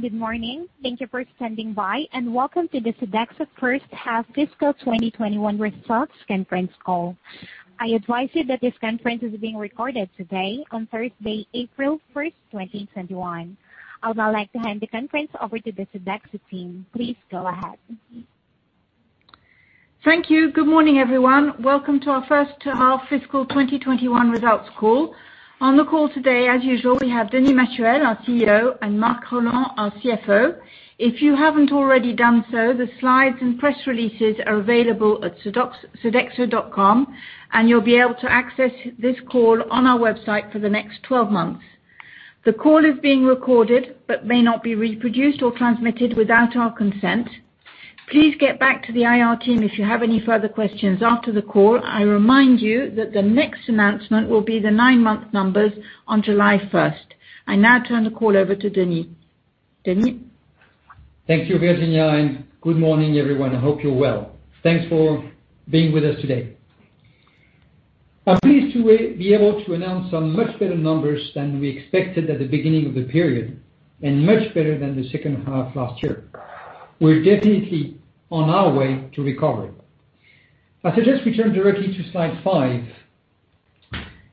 Good morning. Thank you for standing by, and welcome to the Sodexo first half fiscal 2021 results conference call. I advise that this conference is being recorded today on Thursday, April 1st, 2021. I would now like to hand the conference over to the Sodexo team. Please go ahead. Thank you. Good morning, everyone. Welcome to our first-half fiscal 2021 results call. On the call today, as usual, we have Denis Machuel, our CEO, and Marc Rolland, our CFO. If you haven't already done so, the slides and press releases are available at sodexo.com, and you'll be able to access this call on our website for the next 12 months. The call is being recorded but may not be reproduced or transmitted without our consent. Please get back to the IR team if you have any further questions after the call. I remind you that the next announcement will be the nine-month numbers on July 1st. I now turn the call over to Denis. Denis? Thank you, Virginia, and good morning, everyone. I hope you're well. Thanks for being with us today. I am pleased to be able to announce some much better numbers than we expected at the beginning of the period and much better than the second half last year. We are definitely on our way to recovery. I suggest we turn directly to slide five.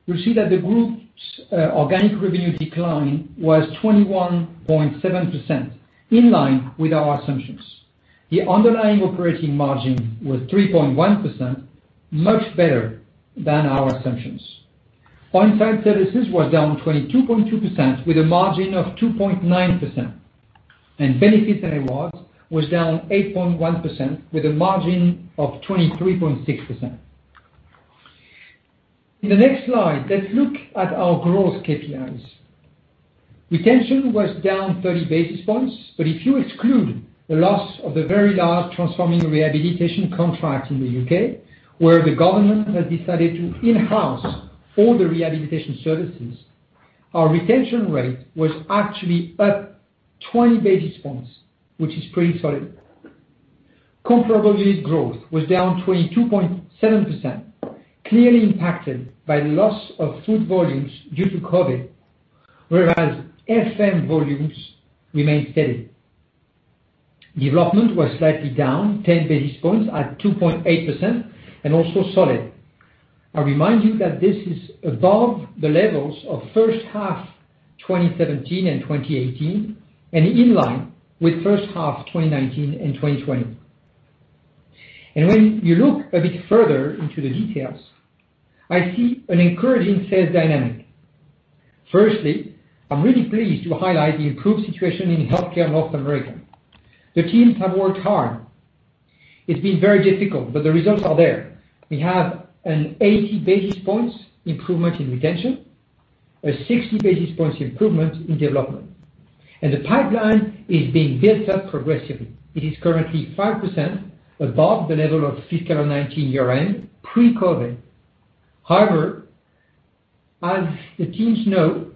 You will see that the group's organic revenue decline was 21.7%, in line with our assumptions. The underlying operating margin was 3.1%, much better than our assumptions. On-site services were down 22.2% with a margin of 2.9%, and Benefits & Rewards were down 8.1% with a margin of 23.6%. In the next slide, let's look at our growth KPIs. Retention was down 30 basis points. If you exclude the loss of the very large Transforming Rehabilitation contract in the U.K., where the government has decided to in-house all the rehabilitation services, our retention rate was actually up 20 basis points, which is pretty solid. Comparable unit growth was down 22.7%, clearly impacted by the loss of food volumes due to COVID-19, whereas FM volumes remained steady. Development was slightly down 10 basis points at 2.8%. Also solid. I remind you that this is above the levels of the first half of 2017 and 2018. In line with the first half of 2019 and 2020. When you look a bit further into the details, I see an encouraging sales dynamic. Firstly, I'm really pleased to highlight the improved situation in Healthcare North America. The teams have worked hard. It's been very difficult, but the results are there. We have an 80 basis point improvement in retention, a 60 basis point improvement in development, and the pipeline is being built up progressively. It is currently 5% above the level of fiscal year 2019 year-end, pre-COVID. However, as the teams know,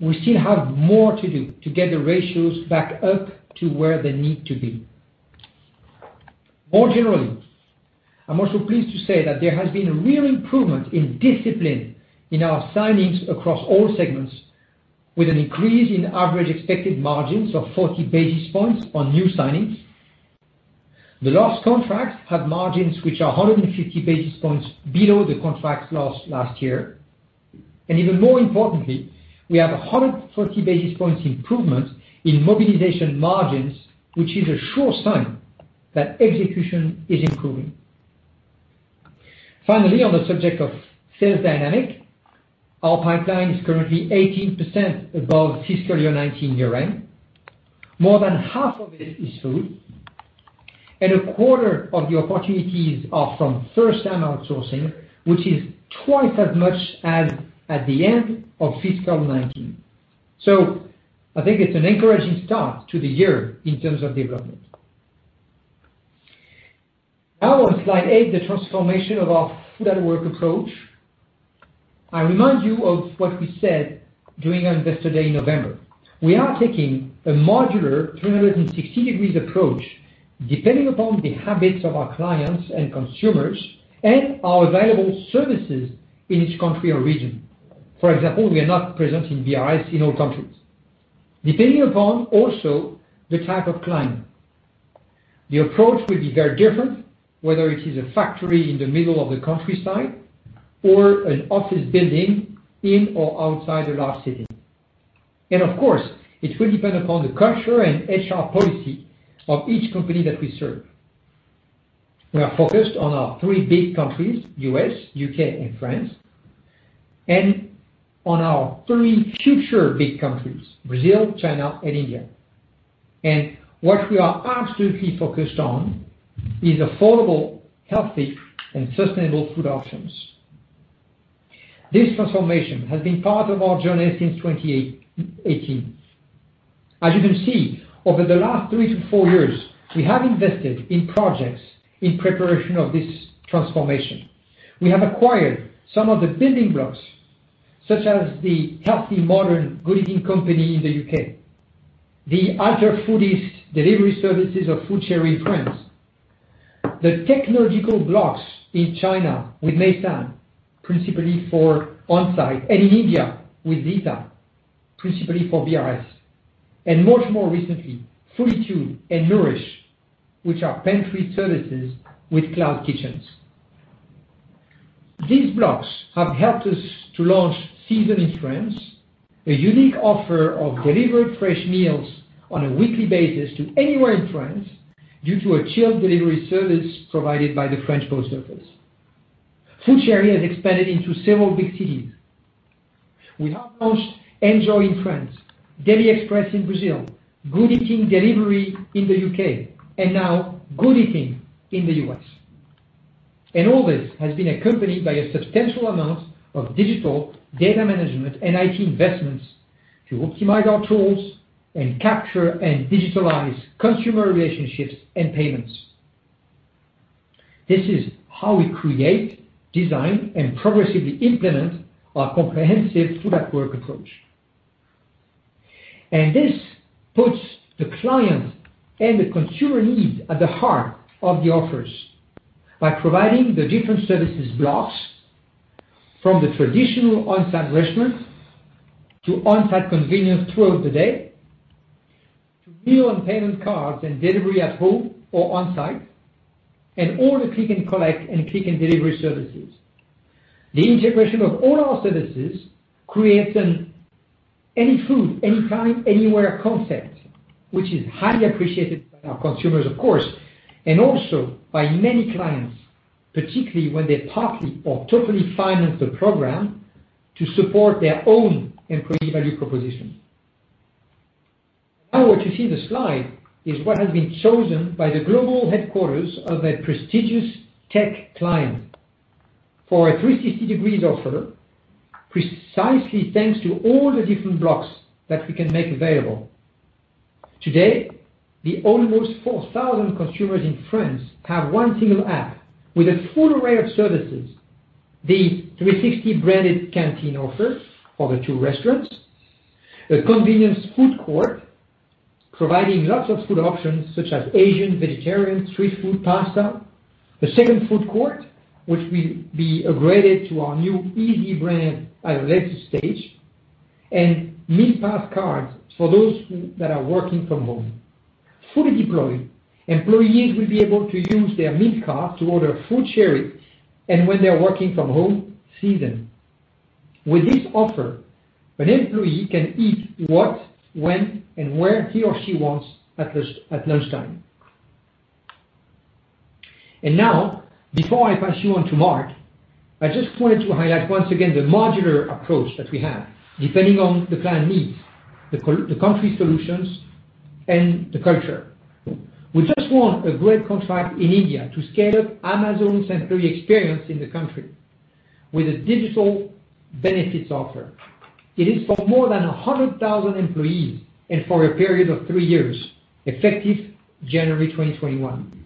we still have more to do to get the ratios back up to where they need to be. More generally, I'm also pleased to say that there has been a real improvement in discipline in our signings across all segments, with an increase in average expected margins of 40 basis points on new signings. The last contract had margins that are 150 basis points below the contract lost last year. Even more importantly, we have a 140 basis point improvement in mobilization margins, which is a sure sign that execution is improving. On the subject of sales dynamics, our pipeline is currently 18% above fiscal year 2019 year-end. More than half of it is food; a quarter of the opportunities are from first-time outsourcing, which is twice as much as at the end of fiscal 2019. I think it's an encouraging start to the year in terms of development. On slide eight, the transformation of our food-at-work approach. I remind you of what we said during Investor Day in November. We are taking a modular 360 degrees approach, depending upon the habits of our clients and consumers and our available services in each country or region. For example, we are not present in B&I in all countries. Depending upon also the type of client, the approach will be very different, whether it is a factory in the middle of the countryside or an office building in or outside a large city. Of course, it will depend upon the culture and HR policy of each company that we serve. We are focused on our three big countries, U.S., U.K., and France, and on our three future big countries, Brazil, China, and India. What we are absolutely focused on is affordable, healthy, and sustainable food options. This transformation has been part of our journey since 2018. As you can see, over the last three to four years, we have invested in projects in preparation for this transformation. We have acquired some of the building blocks, such as the healthy, modern Good Eating Company in the U.K., the Le Foodist delivery services of FoodChéri in France. The technological blocks in China with Meican, principally for on-site, and in India with Zeta, principally for BRS. Much more recently, Fooditude and Nourish, which are pantry services with cloud kitchens. These blocks have helped us to launch Seazon in France, a unique offer of delivered fresh meals on a weekly basis to anywhere in France due to a chilled delivery service provided by the French postal service. FoodChéri has expanded into several big cities. We have launched Enjoy in France, Deli Express in Brazil, Good Eating Delivered in the U.K., and now Good Eating in the U.S. All this has been accompanied by a substantial amount of digital data management and IT investments to optimize our tools and capture and digitalize consumer relationships and payments. This is how we create, design, and progressively implement our comprehensive food-at-work approach. This puts the client's and the consumer's needs at the heart of the offers by providing the different service blocks from the traditional on-site restaurants to on-site convenience throughout the day, to meal and payment cards and delivery at home or on-site, and to all the Click & Collect and Click & Delivery services. The integration of all our services creates an any food, anytime, anywhere concept, which is highly appreciated by our consumers, of course, and also by many clients, particularly when they partly or totally finance the program to support their own Employee Value Proposition. What you see on the slide is what has been chosen by the global headquarters of a prestigious tech client for a 360 degrees offer, precisely thanks to all the different blocks that we can make available. Today, the almost 4,000 consumers in France have one single app with a full array of services. The 360 branded canteen offers the two restaurants, a convenience food court, providing lots of food options such as Asian, vegetarian, street food, and pasta. A second food court, which will be upgraded to our new Easy brand at a later stage. Meal pass cards for those that are working from home. Fully deployed, employees will be able to use their meal card to order from FoodChéri, and when they are working from home, Seazon. With this offer, an employee can eat what, when, and where he or she wants at lunchtime. Now, before I pass you on to Marc, I just wanted to highlight once again the modular approach that we have, depending on the client needs, the country solutions, and the culture. We just won a great contract in India to scale up Amazon's Employee Experience in the country with a digital benefits offer. It is for more than 100,000 employees and for a period of three years, effective January 2021.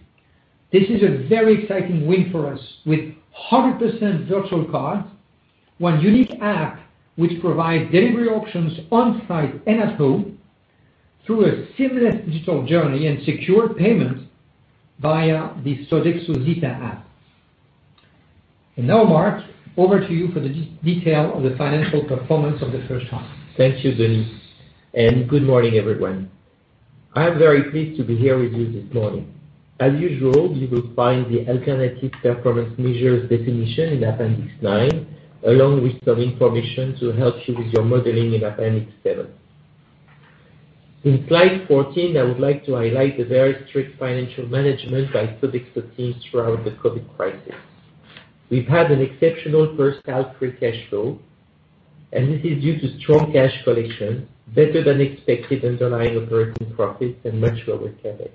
This is a very exciting win for us. With 100% virtual cards, one unique app provides delivery options on-site and at home through a seamless digital journey and secure payments via the Sodexo-Zeta App. Now, Marc, over to you for the detail of the financial performance of the first half. Thank you, Denis. Good morning, everyone. I'm very pleased to be here with you this morning. As usual, you will find the alternative performance measures definition in appendix nine, along with some information to help you with your modeling in appendix seven. In slide 14, I would like to highlight the very strict financial management by Sodexo teams throughout the COVID crisis. We've had an exceptional first half of free cash flow, and this is due to strong cash collection, better-than-expected underlying operating profits, and much lower CapEx.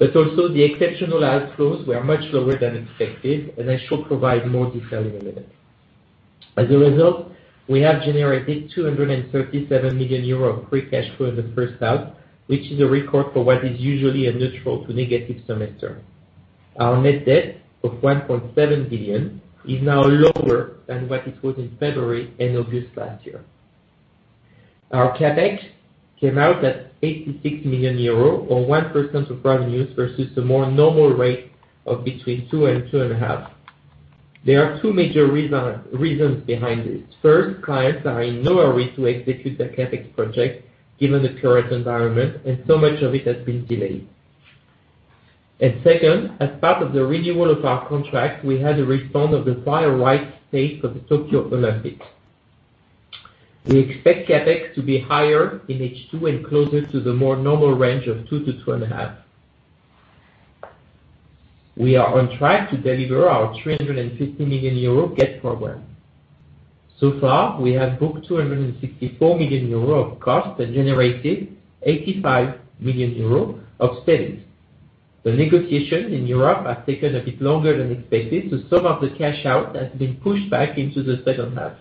Also, the exceptional outflows were much lower than expected, and I shall provide more detail in a minute. As a result, we have generated 237 million euro of free cash flow in the first half, which is a record for what is usually a neutral to negative semester. Our net debt of 1.7 billion is now lower than what it was in February and August last year. Our CapEx came out at 86 million euros, or 1% of revenues versus the more normal rate of between 2% and 2.5%. There are two major reasons behind this. First, clients are in no hurry to execute their CapEx project, given the current environment, and so much of it has been delayed. Second, as part of the renewal of our contract, we had a response from the firewide state of the Tokyo Olympics. We expect CapEx to be higher in H2 and closer to the more normal range of 2%-2.5%. We are on track to deliver our 350 million euro GET program. So far, we have booked 264 million euro in costs and generated 85 million euro in savings. The negotiation in Europe has taken a bit longer than expected; some of the cash out has been pushed back into the second half.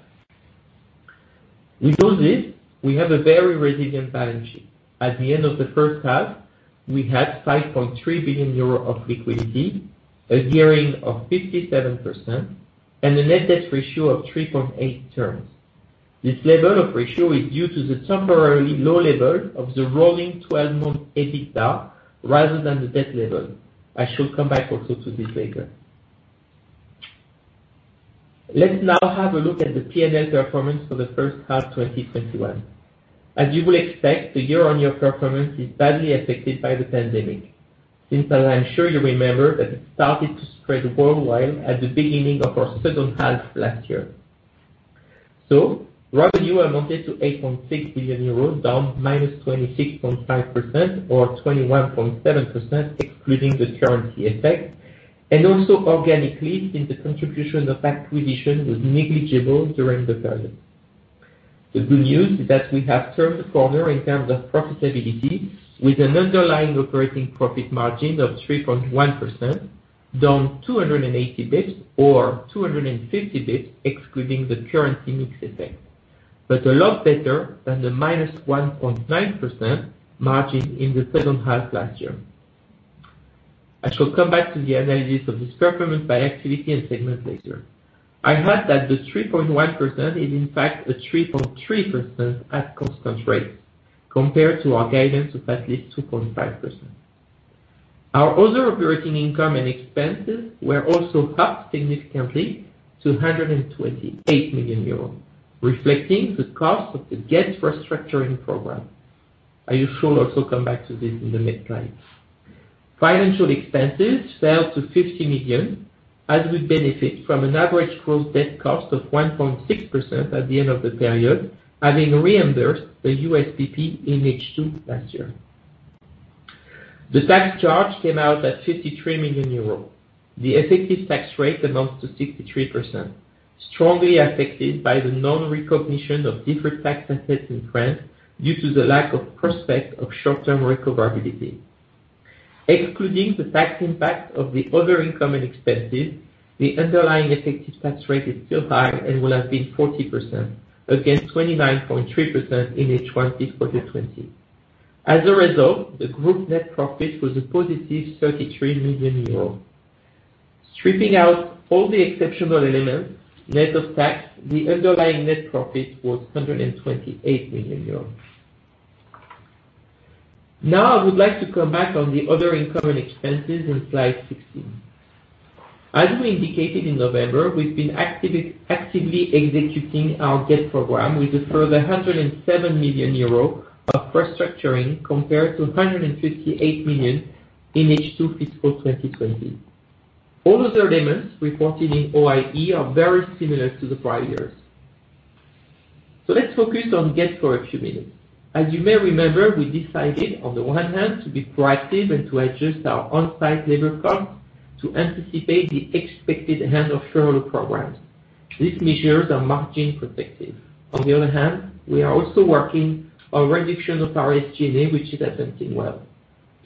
We built it. We have a very resilient balance sheet. At the end of the first half, we had 5.3 billion euro of liquidity, a gearing of 57%, and a net debt ratio of 3.8 terms. This level of ratio is due to the temporarily low level of the rolling 12-month EBITDA, rather than the debt level. I shall come back also to this later. Let's now have a look at the P&L performance for the first half of 2021. As you will expect, the year-on-year performance is badly affected by the pandemic, since I'm sure you remember that it started to spread worldwide at the beginning of our second half last year. Revenue amounted to 8.6 billion euros, down -26.5% or 21.7% excluding the currency effect and also organically since the contribution of acquisition was negligible during the period. The good news is that we have turned the corner in terms of profitability with an underlying operating profit margin of 3.1%, down 280 basis points or 250 basis points excluding the currency mix effect, but a lot better than the -1.9% margin in the second half of last year. I shall come back to the analysis of this performance by activity and segment later. I highlight that the 3.1% is in fact a 3.3% at constant rates compared to our guidance of at least 2.5%. Our other operating income and expenses were also up significantly to 128 million euros, reflecting the cost of the GET restructuring program. I shall also come back to this in a mid-slide. Financial expenses fell to 50 million, as we benefit from an average gross debt cost of 1.6% at the end of the period, having reimbursed the USPP in H2 last year. The tax charge came out at 3 million euros. The effective tax rate amounts to 63%, strongly affected by the non-recognition of different tax assets in France due to the lack of prospect of short-term recoverability. Excluding the tax impact of the other income and expenses, the underlying effective tax rate is still high and would have been 40%, against 29.3% in H1 fiscal 2020. As a result, the group net profit was a positive 33 million euros. Stripping out all the exceptional elements, net of tax, the underlying net profit was 128 million euros. Now I would like to come back to the other income and expenses in slide 16. As we indicated in November, we've been actively executing our GET program with a further 107 million euro of restructuring compared to 158 million in H2 fiscal 2020. All other elements reported in OIE are very similar to the prior years. Let's focus on GET for a few minutes. As you may remember, we decided, on the one hand, to be proactive and to adjust our on-site labor cost to anticipate the expected end of short-time work programs. These measures are margin-protective. On the other hand, we are also working on reduction of our SG&A, which is attempting well.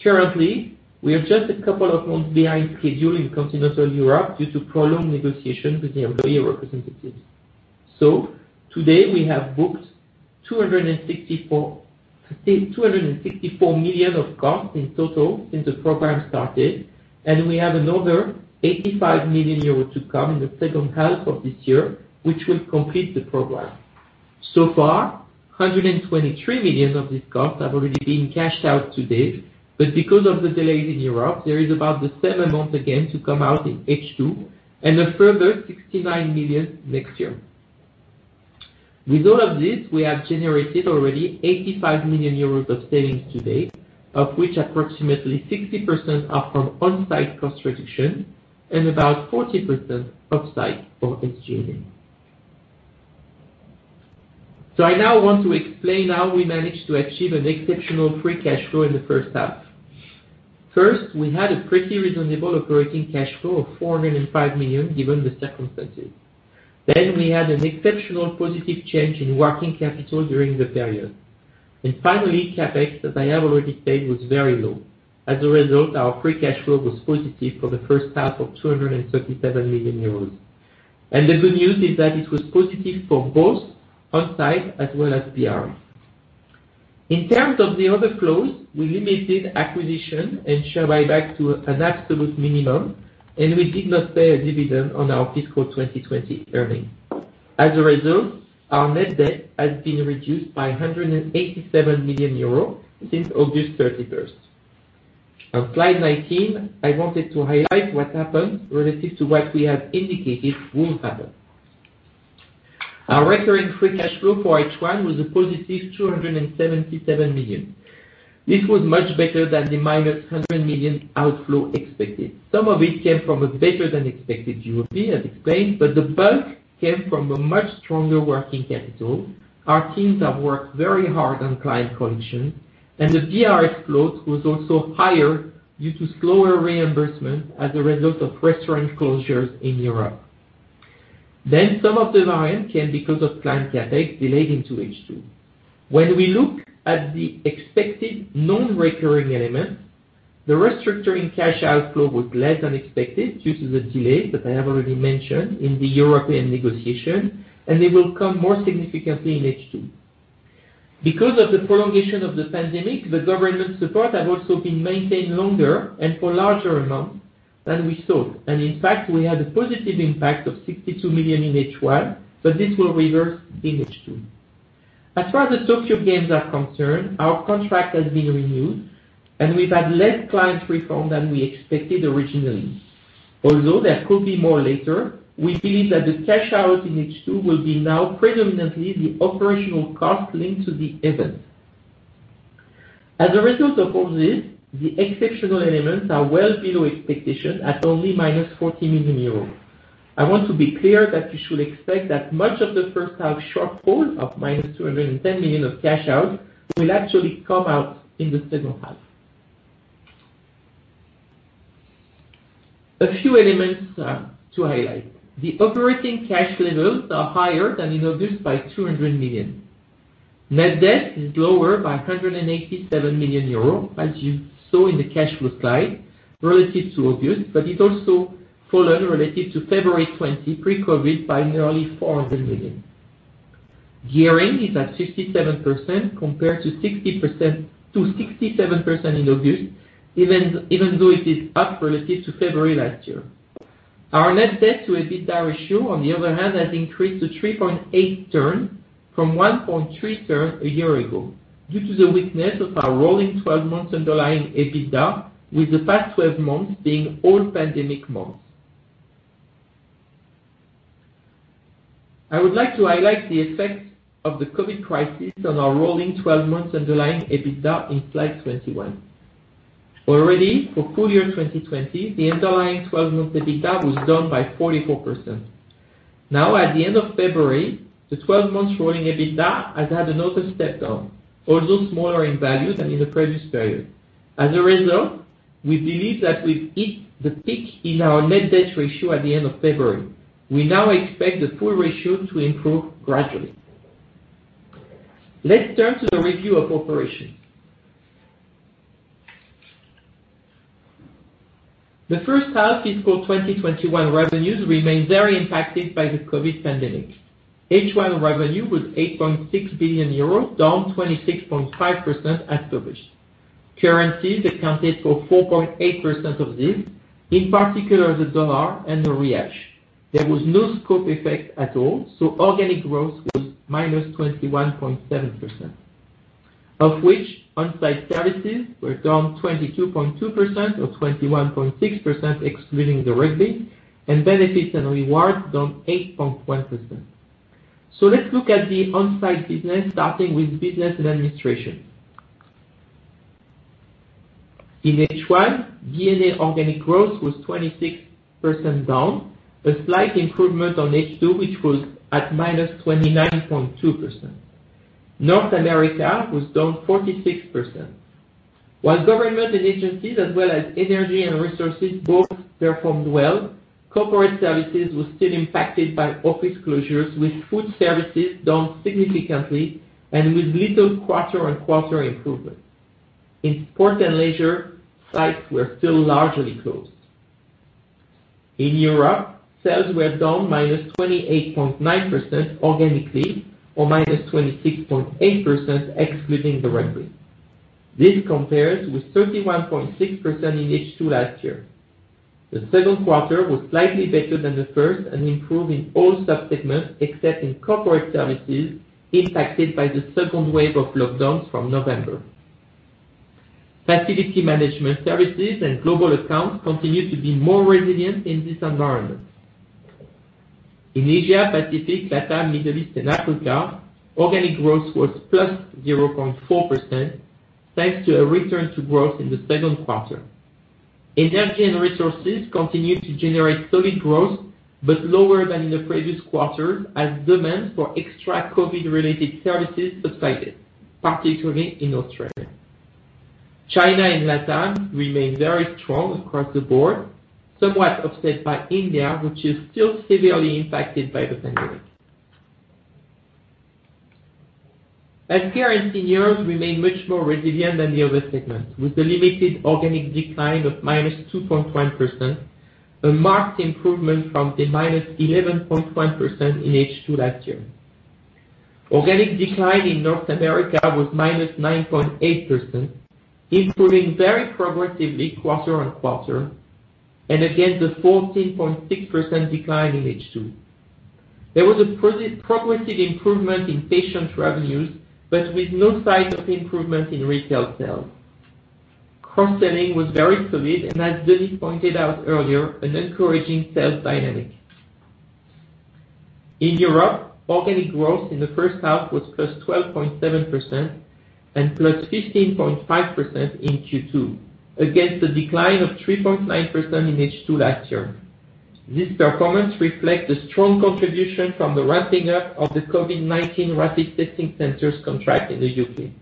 Currently, we are just a couple of months behind schedule in continental Europe due to prolonged negotiations with the employee representatives. Today, we have booked 264 million of costs in total since the program started, and we have another 85 million euros to come in the second half of this year, which will complete the program. 123 million of these costs have already been cashed out to date, but because of the delays in Europe, there is about the same amount again to come out in H2, and a further 69 million next year. We have generated already 85 million euros of savings to date, of which approximately 60% are from on-site cost reduction and about 40% are off-site or SG&A. I now want to explain how we managed to achieve an exceptional free cash flow in the first half. First, we had a pretty reasonable operating cash flow of 405 million given the circumstances. Then we had an exceptional positive change in working capital during the period. Finally, CapEx, as I have already said, was very low. As a result, our free cash flow was positive for the first half of 237 million euros. The good news is that it was positive for both on-site as well as for BRS. In terms of the other flows, we limited acquisition and share buyback to an absolute minimum, and we did not pay a dividend on our fiscal 2020 earnings. As a result, our net debt has been reduced by 187 million euros since August 31st. On slide 19, I wanted to highlight what happened relative to what we have indicated would happen. Our recurring free cash flow for H1 was a positive 277 million. This was much better than the minus 100 million outflow expected. Some of it came from a better-than-expected European, as explained, but the bulk came from a much stronger working capital. Our teams have worked very hard on client collection, and the BRS float was also higher due to slower reimbursement as a result of restaurant closures in Europe. Some of the variance came because of client CapEx delayed into H2. When we look at the expected non-recurring elements, the restructuring cash outflow was less than expected due to the delays that I have already mentioned in the European negotiation, and they will come more significantly in H2. Because of the prolongation of the pandemic, the government support has also been maintained longer and in larger amounts than we thought. In fact, we had a positive impact of 62 million in H1, but this will reverse in H2. As far as the Tokyo Olympics are concerned, our contract has been renewed, and we've had less client refund than we expected originally. Although there could be more later, we believe that the cash out in H2 will now be predominantly the operational cost linked to the event. As a result of all this, the exceptional elements are well below expectation at only minus 40 million euros. I want to be clear that you should expect that much of the first-half shortfall of -210 million of cash out will actually come out in the second half. A few elements to highlight. The operating cash levels are higher than in August by 200 million. Net debt is lower by 187 million euros, as you saw in the cash flow slide, relative to August, but it has also fallen relative to February 20, pre-COVID, by nearly 400 million. Gearing is at 57% compared to 67% in August, even though it is up relative to February last year. Our net debt to EBITDA ratio, on the other hand, has increased to 3.8 turns from 1.3 turns a year ago due to the weakness of our underlying EBITDA for the rolling 12 months, with the past 12 months being all pandemic months. I would like to highlight the effect of the COVID crisis on our rolling 12 months' underlying EBITDA in slide 21. Already, for full year 2020, the underlying 12-month EBITDA was down by 44%. Now, at the end of February, the 12 months rolling EBITDA has had another step down, although smaller in value than in the previous period. As a result, we believe that we've hit the peak in our net debt ratio at the end of February. We now expect the full ratio to improve gradually. Let's turn to the review of operations. The first-half fiscal 2021 revenues remain very impacted by the COVID-19 pandemic. H1 revenue was 8.6 billion euros, down 26.5% as published. Currency accounted for 4.8% of this, in particular, the dollar and the Real. There was no scope effect at all; organic growth was minus 21.7%, of which On-site Services were down 22.2% or 21.6% excluding the Rugby World Cup, and Benefits & Rewards down 8.1%. Let's look at the on-site business, starting with Business & Administrations. In H1, B&A organic growth was 26% down, a slight improvement on H2, which was at minus 29.2%. North America was down 46%. While Government & Agencies as well as Energy & Resources both performed well, Corporate Services was still impacted by office closures, with Food Services down significantly and with little quarter-on-quarter improvement. In Sports & Leisure, sites were still largely closed. In Europe, sales were down -28.9% organically or -26.8% excluding the Rugby. This compares with 31.6% in H2 last year. The second quarter was slightly better than the first and improved in all subsegments except in Corporate Services impacted by the second wave of lockdowns from November. Facility Management services and Global Accounts continue to be more resilient in this environment. In Asia Pacific, LATAM, Middle East, and Africa, organic growth was +0.4%, thanks to a return to growth in the second quarter. Energy & Resources continued to generate solid growth, but lower than in the previous quarters as demand for extra COVID-related services subsided, particularly in Australia. China and LATAM remain very strong across the board, somewhat offset by India, which is still severely impacted by the pandemic. Healthcare & Seniors remain much more resilient than the other segments, with a limited organic decline of -2.1%, a marked improvement from the -11.1% in H2 last year. Organic decline in North America was -9.8%, improving very progressively quarter-on-quarter and against the 14.6% decline in H2. There was a progressive improvement in patient revenues, but with no sign of improvement in retail sales. Cross-selling was very solid and, as Denis pointed out earlier, an encouraging sales dynamic. In Europe, organic growth in the first half was +12.7% and +15.5% in Q2, against a decline of 3.9% in H2 last year. This performance reflects the strong contribution from the ramping up of the COVID-19 rapid testing centers contract in the U.K.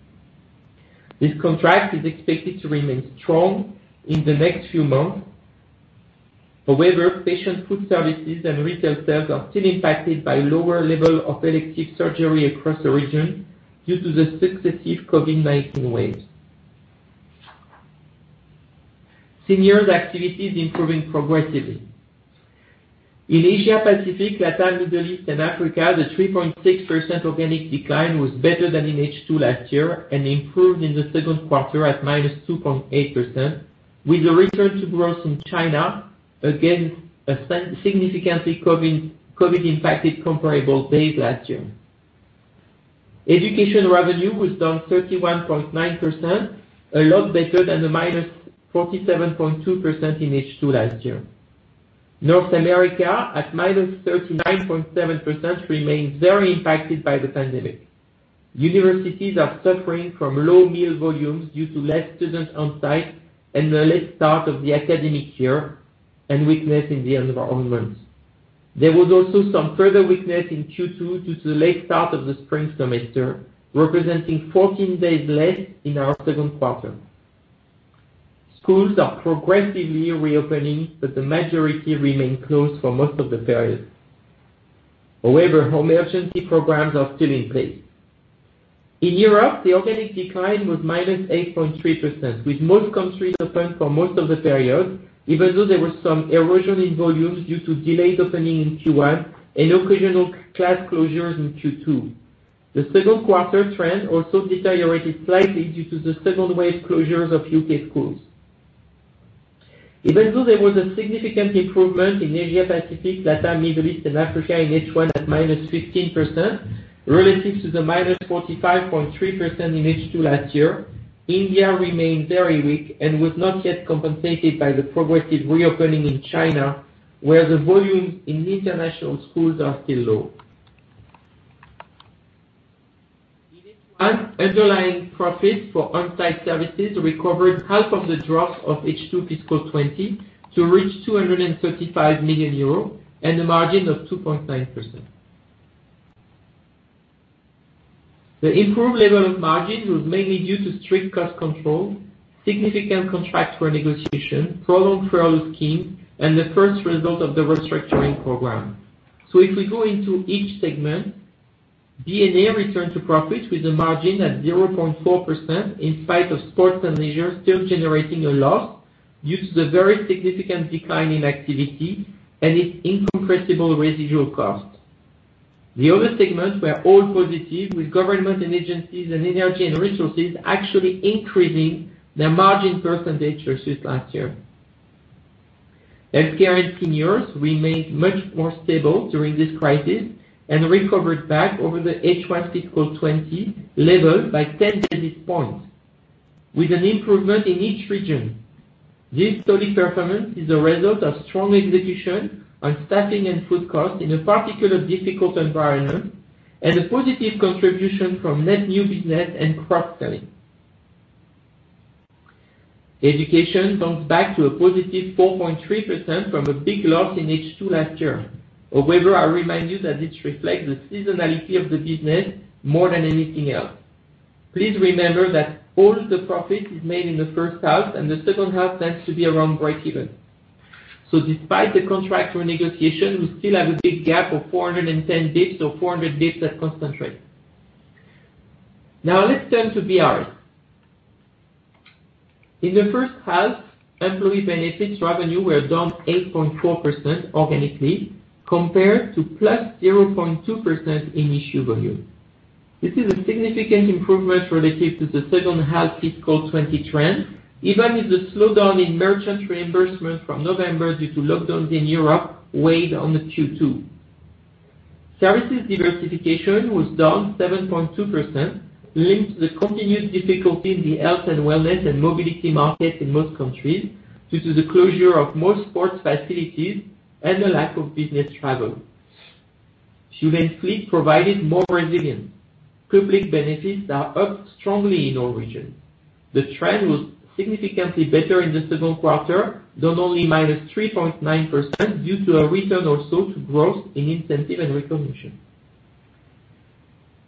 This contract is expected to remain strong in the next few months. However, patient Food Services and retail sales are still impacted by a lower level of elective surgery across the region due to the successive COVID-19 waves. Seniors' activities are improving progressively. In Asia Pacific, LATAM, Middle East, and Africa, the 3.6% organic decline was better than in H2 last year and improved in the second quarter at -2.8%, with a return to growth in China against a significantly COVID-impacted comparable base last year. Education revenue was down 31.9%, a lot better than the -47.2% in H2 last year. North America, at -39.7%, remains very impacted by the pandemic. Universities are suffering from low meal volumes due to less students on-site, the late start of the academic year, and weakness in the environment. There was also some further weakness in Q2 due to the late start of the spring semester, representing 14 days less in our second quarter. Schools are progressively reopening, but the majority remained closed for most of the period. However, home emergency programs are still in place. In Europe, the organic decline was -8.3%, with most countries open for most of the period, even though there was some erosion in volumes due to delayed opening in Q1 and occasional class closures in Q2. The second-quarter trend also deteriorated slightly due to the second wave closures of U.K. schools. Even though there was a significant improvement in Asia Pacific, LATAM, Middle East, and Africa in H1 at -15%, relative to the -45.3% in H2 last year, India remained very weak and was not yet compensated by the progressive reopening in China, where the volumes in international schools are still low. Underlying profits for on-site services recovered half of the drop of H2 fiscal 20 to reach 235 million euros and a margin of 2.9%. The improved level of margin was mainly due to strict cost control, significant contract renegotiation, a prolonged furlough scheme, and the first result of the restructuring program. If we go into each segment, B&A returned to profit with a margin at 0.4% in spite of Sports & Leisure still generating a loss due to the very significant decline in activity and its incompressible residual cost. The other segments were all positive, with Government & Agencies and Energy & Resources actually increasing their margin percentage versus last year. Healthcare & Seniors remained much more stable during this crisis and recovered back over the H1 fiscal 2020 level by 10 basis points, with an improvement in each region. This solid performance is a result of strong execution on staffing and food costs in a particularly difficult environment and a positive contribution from net new business and cross-selling. Education bounced back to a positive 4.3% from a big loss in H2 last year. I remind you that this reflects the seasonality of the business more than anything else. Please remember that all of the profit is made in the first half, and the second half tends to be around breakeven. Despite the contract renegotiation, we still have a big gap of 410 basis points or 400 basis points at a constant rate. Now let's turn to BR. In the first half, employee benefits revenue was down 8.4% organically compared to plus 0.2% in issue volume. This is a significant improvement relative to the second half of fiscal 2020 trend, even with the slowdown in merchant reimbursement from November due to lockdowns in Europe weighing on Q2. Services Diversification was down 7.2%, linked to the continued difficulty in the Health and Wellness and mobility markets in most countries due to the closure of most sports facilities and the lack of business travel. Home & Fleets provided more resilience. Public benefits are up strongly in all regions. The trend was significantly better in the second quarter, down only -3.9%, due to a return also to growth in Incentives & Recognition.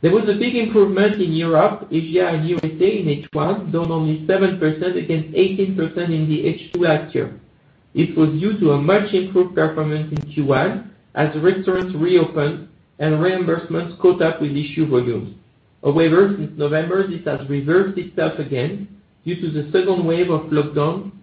There was a big improvement in Europe, Asia, and U.S. In H1, down only 7% against 18% in H2 last year. It was due to a much improved performance in Q1 as restaurants reopened and reimbursements caught up with issue volumes. However, since November, this has reversed itself again due to the second wave of lockdown.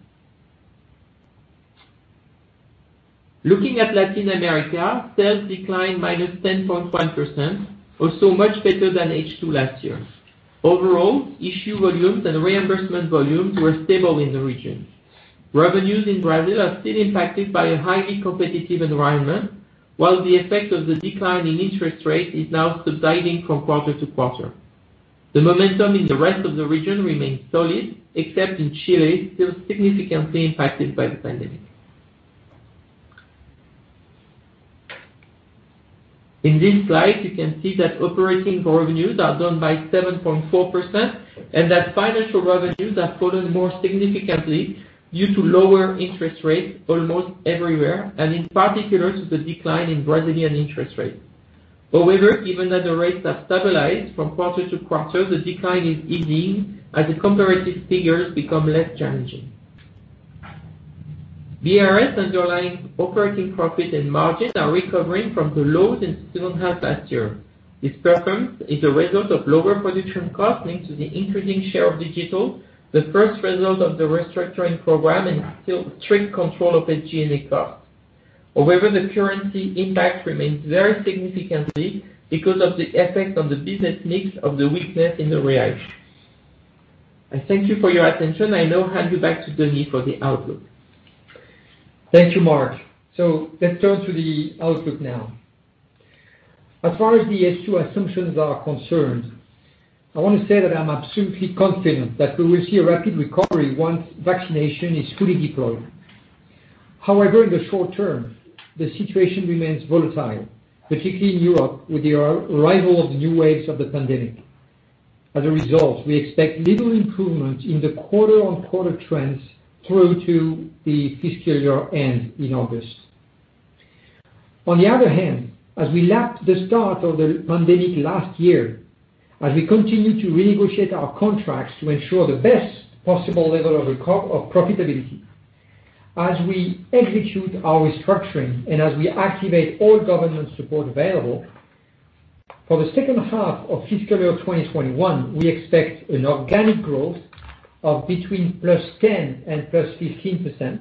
Looking at Latin America, sales declined by -10.1%, also much better than H2 last year. Overall, issue volumes and reimbursement volumes were stable in the region. Revenues in Brazil are still impacted by a highly competitive environment, while the effect of the decline in interest rates is now subsiding from quarter to quarter. The momentum in the rest of the region remains solid, except in Chile, still significantly impacted by the pandemic. In this slide, you can see that operating revenues are down by 7.4% and that financial revenues have fallen more significantly due to lower interest rates almost everywhere, and in particular, to the decline in Brazilian interest rates. However, given that the rates have stabilized from quarter to quarter, the decline is easing as the comparative figures become less challenging. BRS's underlying operating profit and margins are recovering from the lows in the second half last year. This performance is a result of lower production costs linked to the increasing share of digital, the first result of the restructuring program, and still strict control of SG&A costs. The currency impact remains very significant because of the effect on the business mix of the weakness in the BRL. I thank you for your attention. I now hand you back to Denis for the outlook. Thank you, Marc. Let's turn to the outlook now. As far as the H2 assumptions are concerned, I want to say that I'm absolutely confident that we will see a rapid recovery once vaccination is fully deployed. However, in the short term, the situation remains volatile, particularly in Europe, with the arrival of new waves of the pandemic. As a result, we expect little improvement in the quarter-on-quarter trends through to the fiscal year-end in August. On the other hand, as we lap the start of the pandemic last year, as we continue to renegotiate our contracts to ensure the best possible level of profitability, as we execute our restructuring, and as we activate all government support available, for the second half of fiscal year 2021, we expect an organic growth of between +10% and +15%;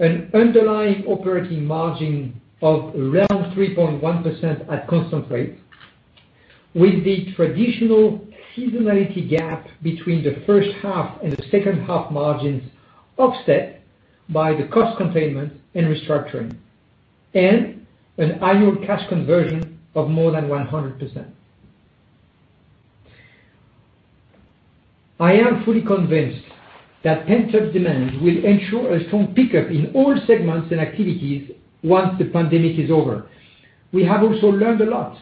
an underlying operating margin of around 3.1% at constant rates, with the traditional seasonality gap between the first half and the second half margins offset by the cost containment and restructuring; and an annual cash conversion of more than 100%. I am fully convinced that pent-up demand will ensure a strong pickup in all segments and activities once the pandemic is over. We have also learned a lot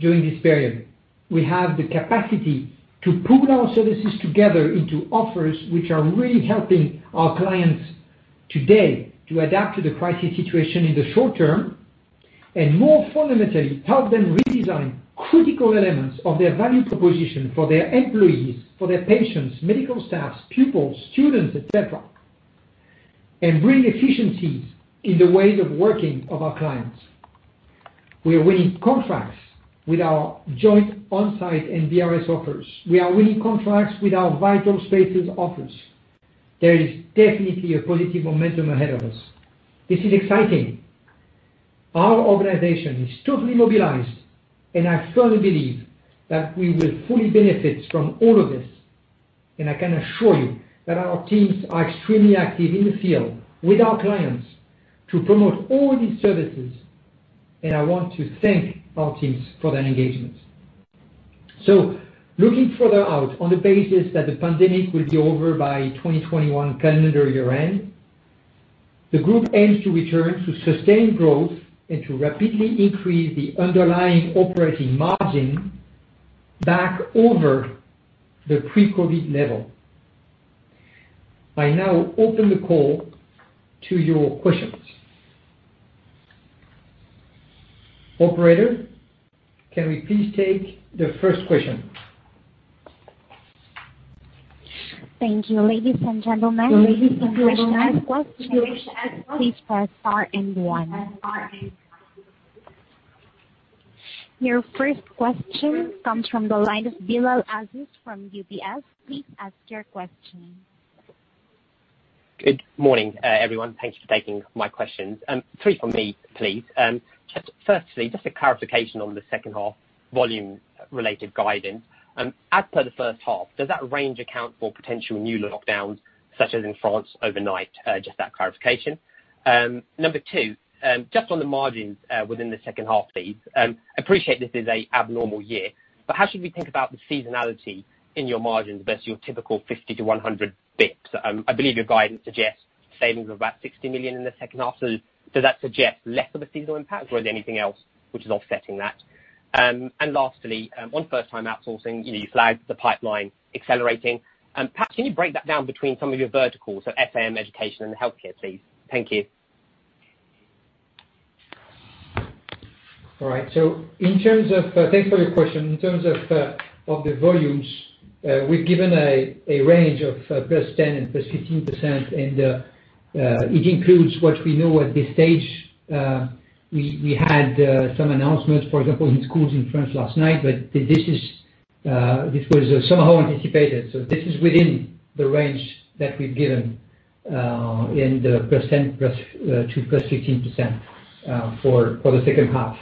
during this period. We have the capacity to pool our services together into offers, which are really helping our clients today to adapt to the crisis situation in the short term and, more fundamentally, help them redesign critical elements of their value proposition for their employees, for their patients, medical staffs, pupils, students, et cetera, and bring efficiencies in the ways of working of our clients. We are winning contracts with our joint on-site and BRS offers. We are winning contracts with our Vital Spaces offers. There is definitely a positive momentum ahead of us. This is exciting. Our organization is totally mobilized, and I firmly believe that we will fully benefit from all of this. I can assure you that our teams are extremely active in the field with our clients to promote all these services, and I want to thank our teams for their engagement. Looking further out on the basis that the pandemic will be over by 2021 calendar year-end, the group aims to return to sustained growth and to rapidly increase the underlying operating margin back over the pre-COVID level. I now open the call to your questions. Operator, can we please take the first question? Thank you. Ladies and gentlemen. The first question is for star and one. Your first question comes from the line of Bilal Aziz from UBS. Please ask your question. Good morning, everyone. Thanks for taking my questions. Three from me, please. Firstly, just a clarification on the second half's volume-related guidance. As per the first half, does that range account for potential new lockdowns, such as in France overnight? Just that clarification. Number two, just on the margins within the second half, please. I appreciate this is an abnormal year, but how should we think about the seasonality in your margins versus your typical 50-100 basis percentage points? I believe your guidance suggests savings of about 60 million in the second half. Does that suggest less of a seasonal impact, or is there anything else that is offsetting that? Lastly, on first-time outsourcing, you flagged the pipeline accelerating. Perhaps you can break that down between some of your verticals, so B&A, education, and Healthcare & Seniors, please? Thank you. All right. Thanks for your question. In terms of the volumes, we've given a range of +10% and +15%, and it includes what we know at this stage. We had some announcements, for example, in schools in France last night, but this was somehow anticipated. This is within the range that we've given in the +10%-+15% for the second half.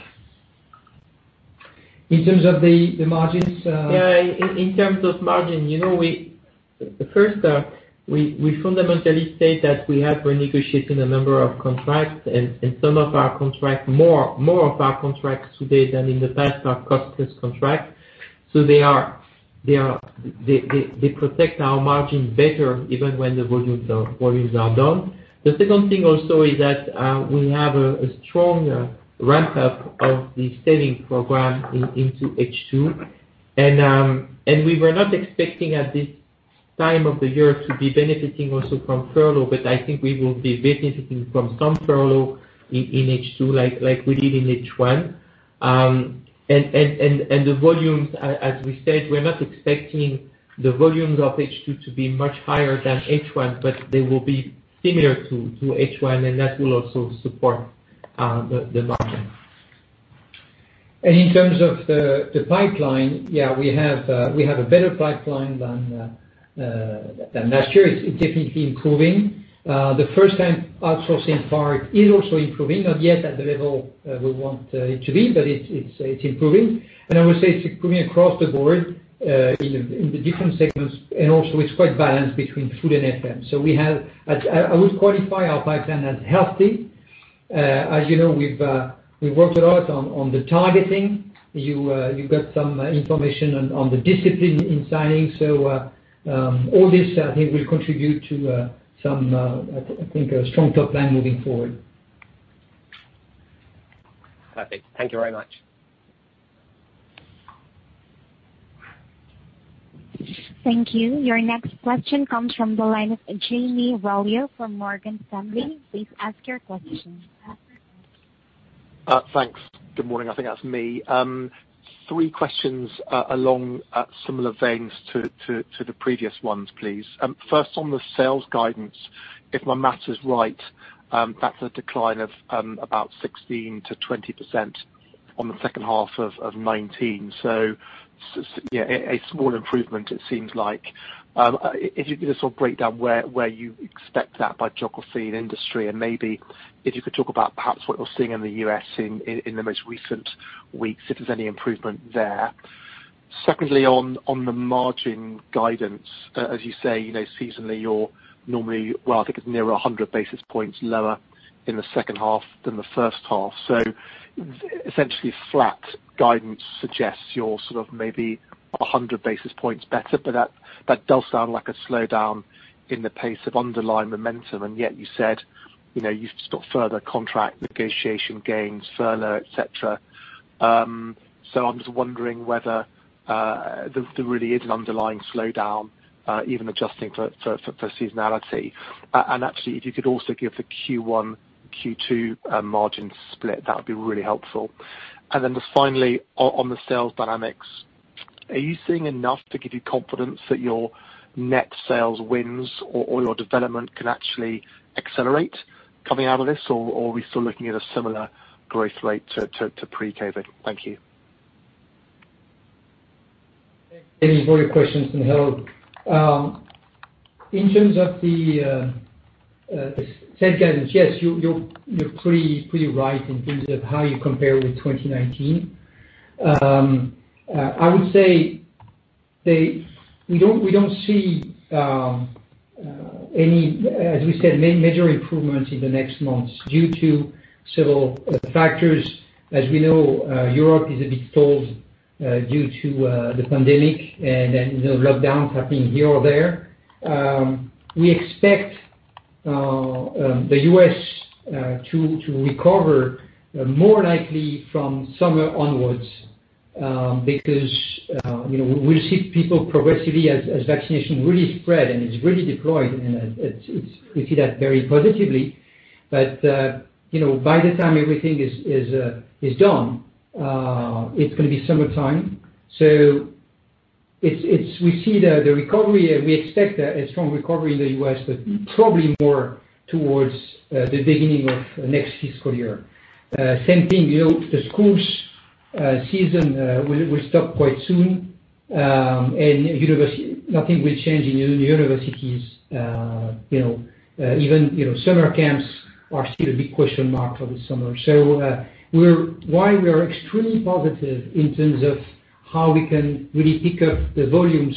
In terms of the margins, Yeah, in terms of margin, first, we fundamentally state that we have been renegotiating a number of contracts, and some of our contracts, more of our contracts today than in the past, are cost-plus contracts. They protect our margins better even when the volumes are down. The second thing also is that we have a strong ramp-up of the savings program into H2. We were not expecting at this time of the year to be benefiting also from furlough, but I think we will be benefiting from some furlough in H2, like we did in H1. The volumes, as we said, we're not expecting the volumes of H2 to be much higher than H1, but they will be similar to H1, and that will also support the margin. In terms of the pipeline, yeah, we have a better pipeline than last year. It's definitely improving. The first-time outsourcing part is also improving. Not yet at the level we want it to be, but it's improving. I would say it's improving across the board, in the different segments, and also it's quite balanced between food and FM. I would qualify our pipeline as healthy. As you know, we've worked a lot on the targeting. You got some information on the discipline in signing. All this, I think, will contribute to, I think, a strong pipeline moving forward. Perfect. Thank you very much. Thank you. Your next question comes from the line of Jamie Rollo from Morgan Stanley. Please ask your question. Thanks. Good morning. I think that's me. Three questions along similar veins to the previous ones, please. First, on the sales guidance, if my math is right, that's a decline of about 16%-20% on the second half of 2019. Yeah, a small improvement, it seems like. If you could just sort of break down where you expect that by geography and industry, and maybe if you could talk about perhaps what you're seeing in the U.S. in the most recent weeks, if there's any improvement there. Secondly, on the margin guidance, as you say, seasonally, you're normally, well, I think it's near 100 basis points lower in the second half than in the first half. Essentially flat guidance suggests you're sort of maybe 100 basis points better, but that does sound like a slowdown in the pace of underlying momentum. Yet you said you've still further contract negotiation gains, furlough, et cetera. I'm just wondering whether there really is an underlying slowdown, even adjusting for seasonality. Actually, if you could also give the Q1, Q2, margin split, that would be really helpful. Then just finally, on the sales dynamics, are you seeing enough to give you confidence that your net sales wins or your development can actually accelerate coming out of this? Are we still looking at a similar growth rate to pre-COVID-19? Thank you. Thanks for your questions, Rollo. In terms of the sales guidance, yes, you're pretty right in terms of how you compare with 2019. I would say we don't see any, as we said, major improvements in the next months due to several factors. As we know, Europe is a bit stalled due to the pandemic and the lockdowns happening here or there. We expect the U.S. to recover more likely from summer onwards because we see people progressively as vaccination really spreads and it's really deployed, and we see that very positively. By the time everything is done, it's going to be summertime. We see the recovery, and we expect a strong recovery in the U.S., but probably more towards the beginning of the next fiscal year. Same thing, the schools' season will stop quite soon, and nothing will change in the universities. Even summer camps are still a big question mark for the summer. While we are extremely positive in terms of how we can really pick up the volumes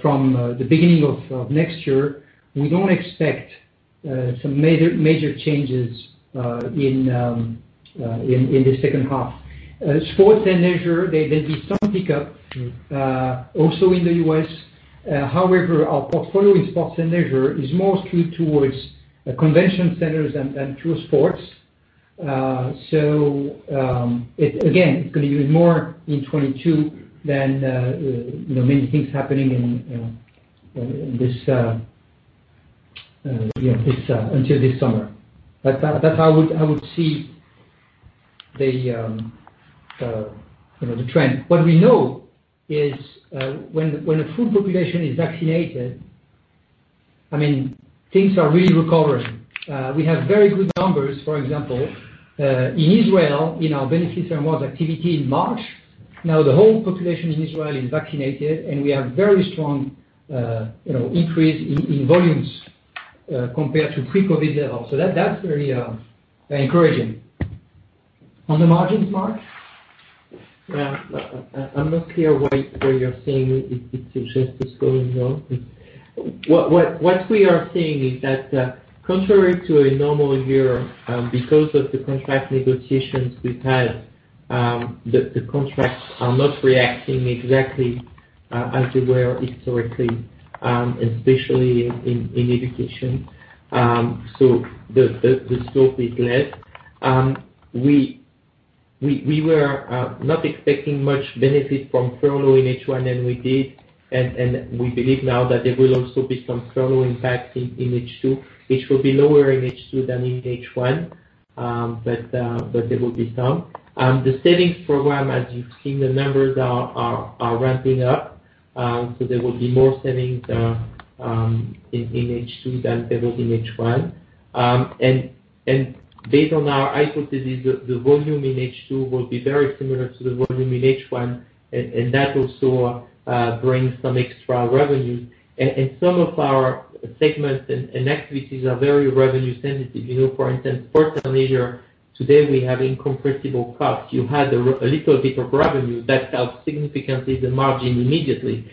from the beginning of next year, we don't expect some major changes in the second half. Sports & Leisure, there'll be some pickup also in the U.S. However, our portfolio in Sports & Leisure is more skewed towards convention centers than true sports. Again, it's going to be more in 2022 than many things happening until this summer. That's how I would see the trend. What we know is when a full population is vaccinated, things are really recovering. We have very good numbers, for example, in Israel in our Benefits & Rewards activity in March. The whole population in Israel is vaccinated, and we have a very strong increase in volumes compared to pre-COVID levels. That's very encouraging. On the margins, Marc? Yeah. I'm not clear where you're seeing it's just going wrong. What we are seeing is that contrary to a normal year, because of the contract negotiations we've had, the contracts are not reacting exactly as they were historically, especially in education. The slope is lower. We were not expecting much benefit from furlough in H1 than we did, and we believe now that there will also be some furlough impact in H2, which will be lower in H2 than in H1, but there will be some. The savings program, as you've seen, the numbers are ramping up. There will be more savings in H2 than there was in H1. Based on our hypothesis, the volume in H2 will be very similar to the volume in H1, and that also brings some extra revenue. Some of our segments and activities are very revenue sensitive. For instance, in Sports & Leisure today we have incompressible costs. You had a little bit of revenue that helps significantly the margin immediately.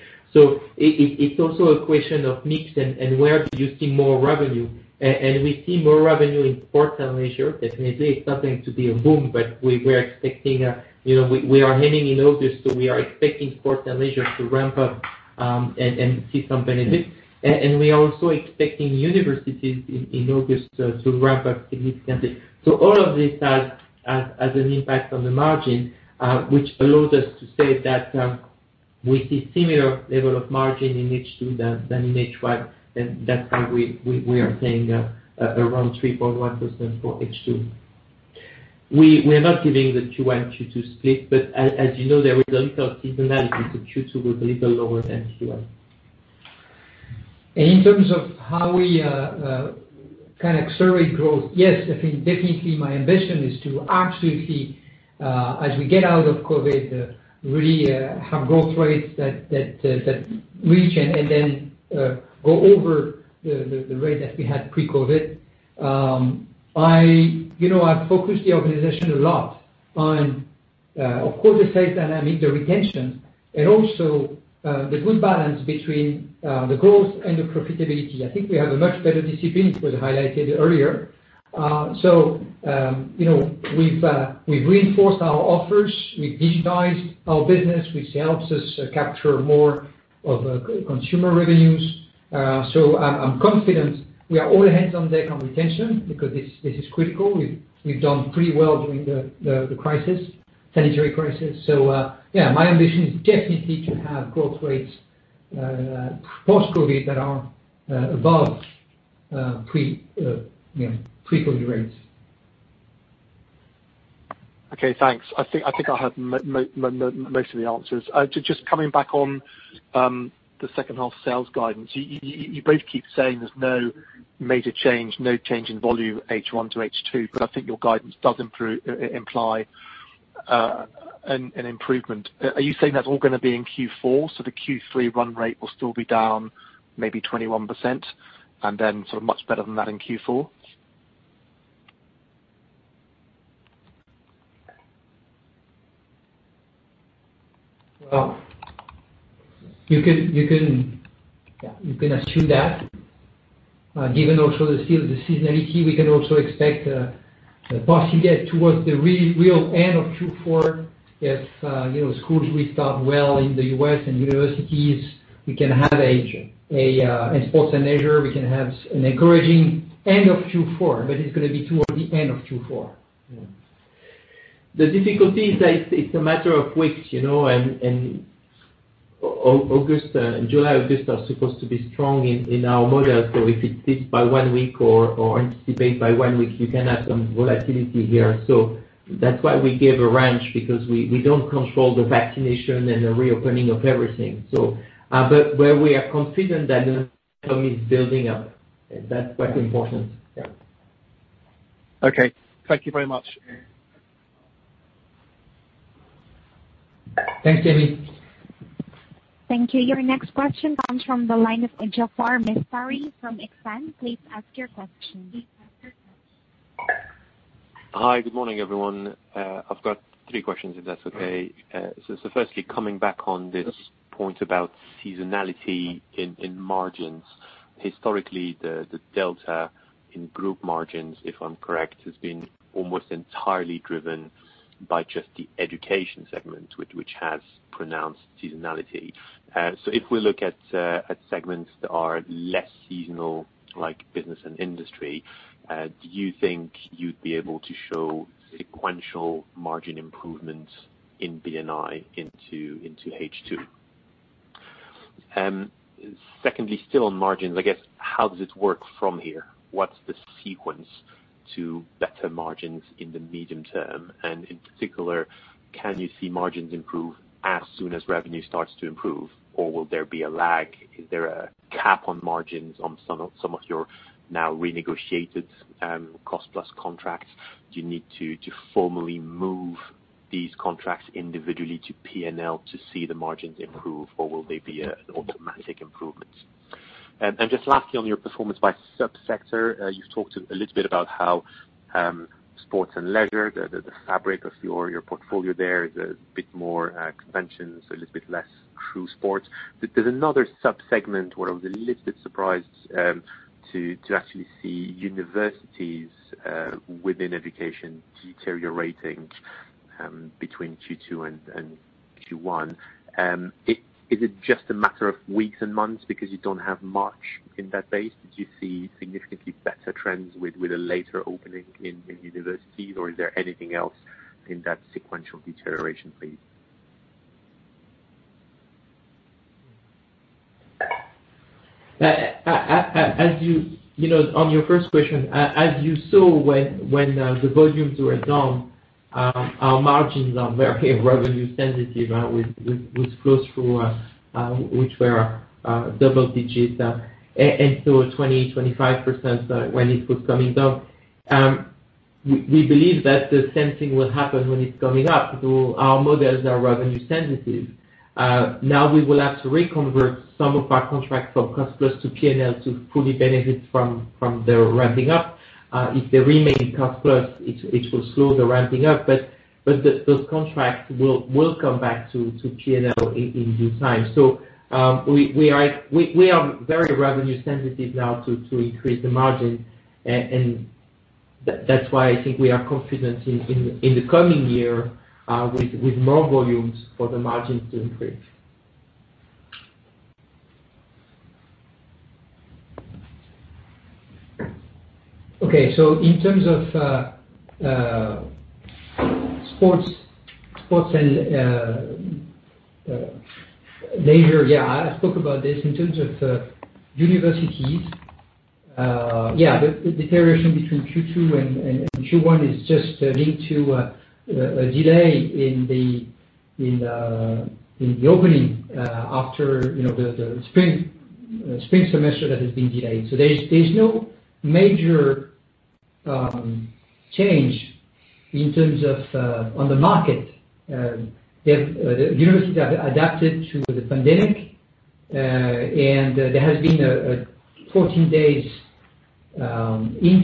It's also a question of mix, and where do you see more revenue? We see more revenue in Sports & Leisure. Definitely, it's nothing to be a boom; we are heading in August, we are expecting Sports & Leisure to ramp up and see some benefit. We are also expecting universities in August to ramp up significantly. All of this has an impact on the margin, which allows us to say that we see a similar level of margin in H2 than in H1; that's why we are saying around 3.1% for H2. We're not giving the Q1, Q2 split, as you know; there is a little seasonality to Q2 with it a little lower than Q1. In terms of how we kind of accelerate growth, yes, I think definitely my ambition is to actually see, as we get out of COVID, really have growth rates that reach and then go over the rate that we had pre-COVID. I focused the organization a lot on, of course, the sales dynamic, the retention, and also the good balance between the growth and the profitability. I think we have much better discipline; it was highlighted earlier. We've reinforced our offers. We've digitized our business, which helps us capture more of consumers' revenues. I'm confident we are all hands on deck on retention because this is critical. We've done pretty well during the sanitary crisis. Yeah, my ambition is definitely to have growth rates post-COVID that are above pre-COVID rates. Okay, thanks. I think I have most of the answers. Just coming back on the second-half sales guidance. You both keep saying there's no major change, no change in volume H1-H2, but I think your guidance does imply an improvement. Are you saying that's all going to be in Q4, so the Q3 run rate will still be down maybe 21% and then much better than that in Q4? Well, you can assume that. Given also the seasonality, we can also expect possibly towards the real end of Q4 if schools restart well in the U.S. and universities and Sports & Leisure, we can have an encouraging end of Q4, but it's going to be towards the end of Q4. The difficulty is that it's a matter of weeks, and July and August are supposed to be strong in our model. If it slips by one week or is anticipated by one week, you can have some volatility here. That's why we gave a range, because we don't control the vaccination and the reopening of everything. Where we are confident that the economy is building up, that's quite important. Okay. Thank you very much. Thanks, Jamie. Thank you. Your next question comes from the line of Jaafar Mestari from Exane. Please ask your question. Hi. Good morning, everyone. I've got three questions, if that's okay. Sure. Firstly, coming back on this point about seasonality in margins. Historically, the delta in group margins, if I'm correct, has been almost entirely driven by just the education segment, which has pronounced seasonality. If we look at segments that are less seasonal, like Business & Industry, do you think you'd be able to show sequential margin improvement in B&I into H2? Secondly, still on margins, I guess, how does this work from here? What's the sequence to better margins in the medium term? In particular, can you see margins improve as soon as revenue starts to improve, or will there be a lag? Is there a cap on margins on some of your now renegotiated cost-plus contracts? Do you need to formally move these contracts individually to P&L to see the margins improve, or will they be an automatic improvement? Just lastly, on your performance by sub-sector, you've talked a little bit about how Sports & Leisure, the fabric of your portfolio there, is a bit more conventions and a little bit less true sports. There's another sub-segment where I was a little bit surprised to actually see universities within education deteriorating between Q2 and Q1. Is it just a matter of weeks and months because you don't have much in that base? Do you see significantly better trends with a later opening in universities, or is there anything else in that sequential deterioration phase? On your first question, as you saw, when the volumes were down, our margins were very revenue sensitive with close to double digits and 20%-25% when it was coming down. We believe that the same thing will happen when it's coming up. Our models are revenue sensitive. Now we will have to reconvert some of our contracts from cost-plus to P&L to fully benefit from the ramping up. If they remain cost-plus, it will slow the ramping up. Those contracts will come back to P&L in due time. We are very revenue-sensitive now to increase the margin. That's why I think we are confident in the coming year with more volumes for the margin to increase. In terms of Sports & Leisure, I spoke about this in terms of universities. The deterioration between Q2 and Q1 is just linked to a delay in the opening after the spring semester that has been delayed. There's no major change in terms of on the market. The universities have adapted to the pandemic, and there has been a 14 days in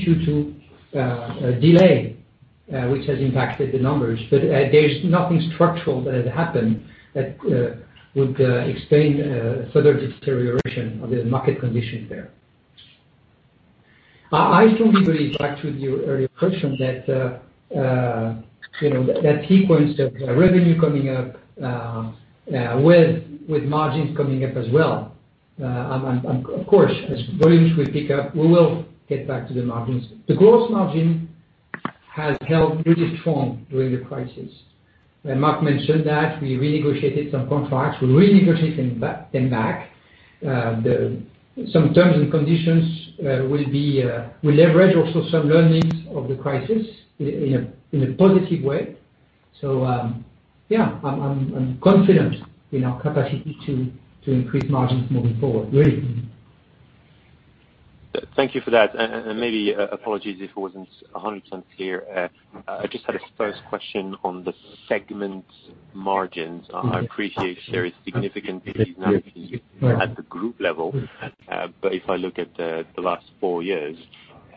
Q2 delay, which has impacted the numbers. There's nothing structural that has happened that would explain a further deterioration of the market condition there. I strongly believe, back to your earlier question, that sequence of revenue is coming up with margins coming up as well. Of course, as volumes will pick up, we will get back to the margins. The gross margin has held pretty strong during the crisis, and Marc mentioned that we renegotiated some contracts. We renegotiate them back. Some terms and conditions will also leverage some learnings of the crisis in a positive way. Yeah, I'm confident in our capacity to increase margins moving forward, really. Thank you for that. Maybe apologies if it wasn't 100% clear. I just had a first question on the segment margins. I appreciate there is significant deleveraging at the group level. If I look at the last four years,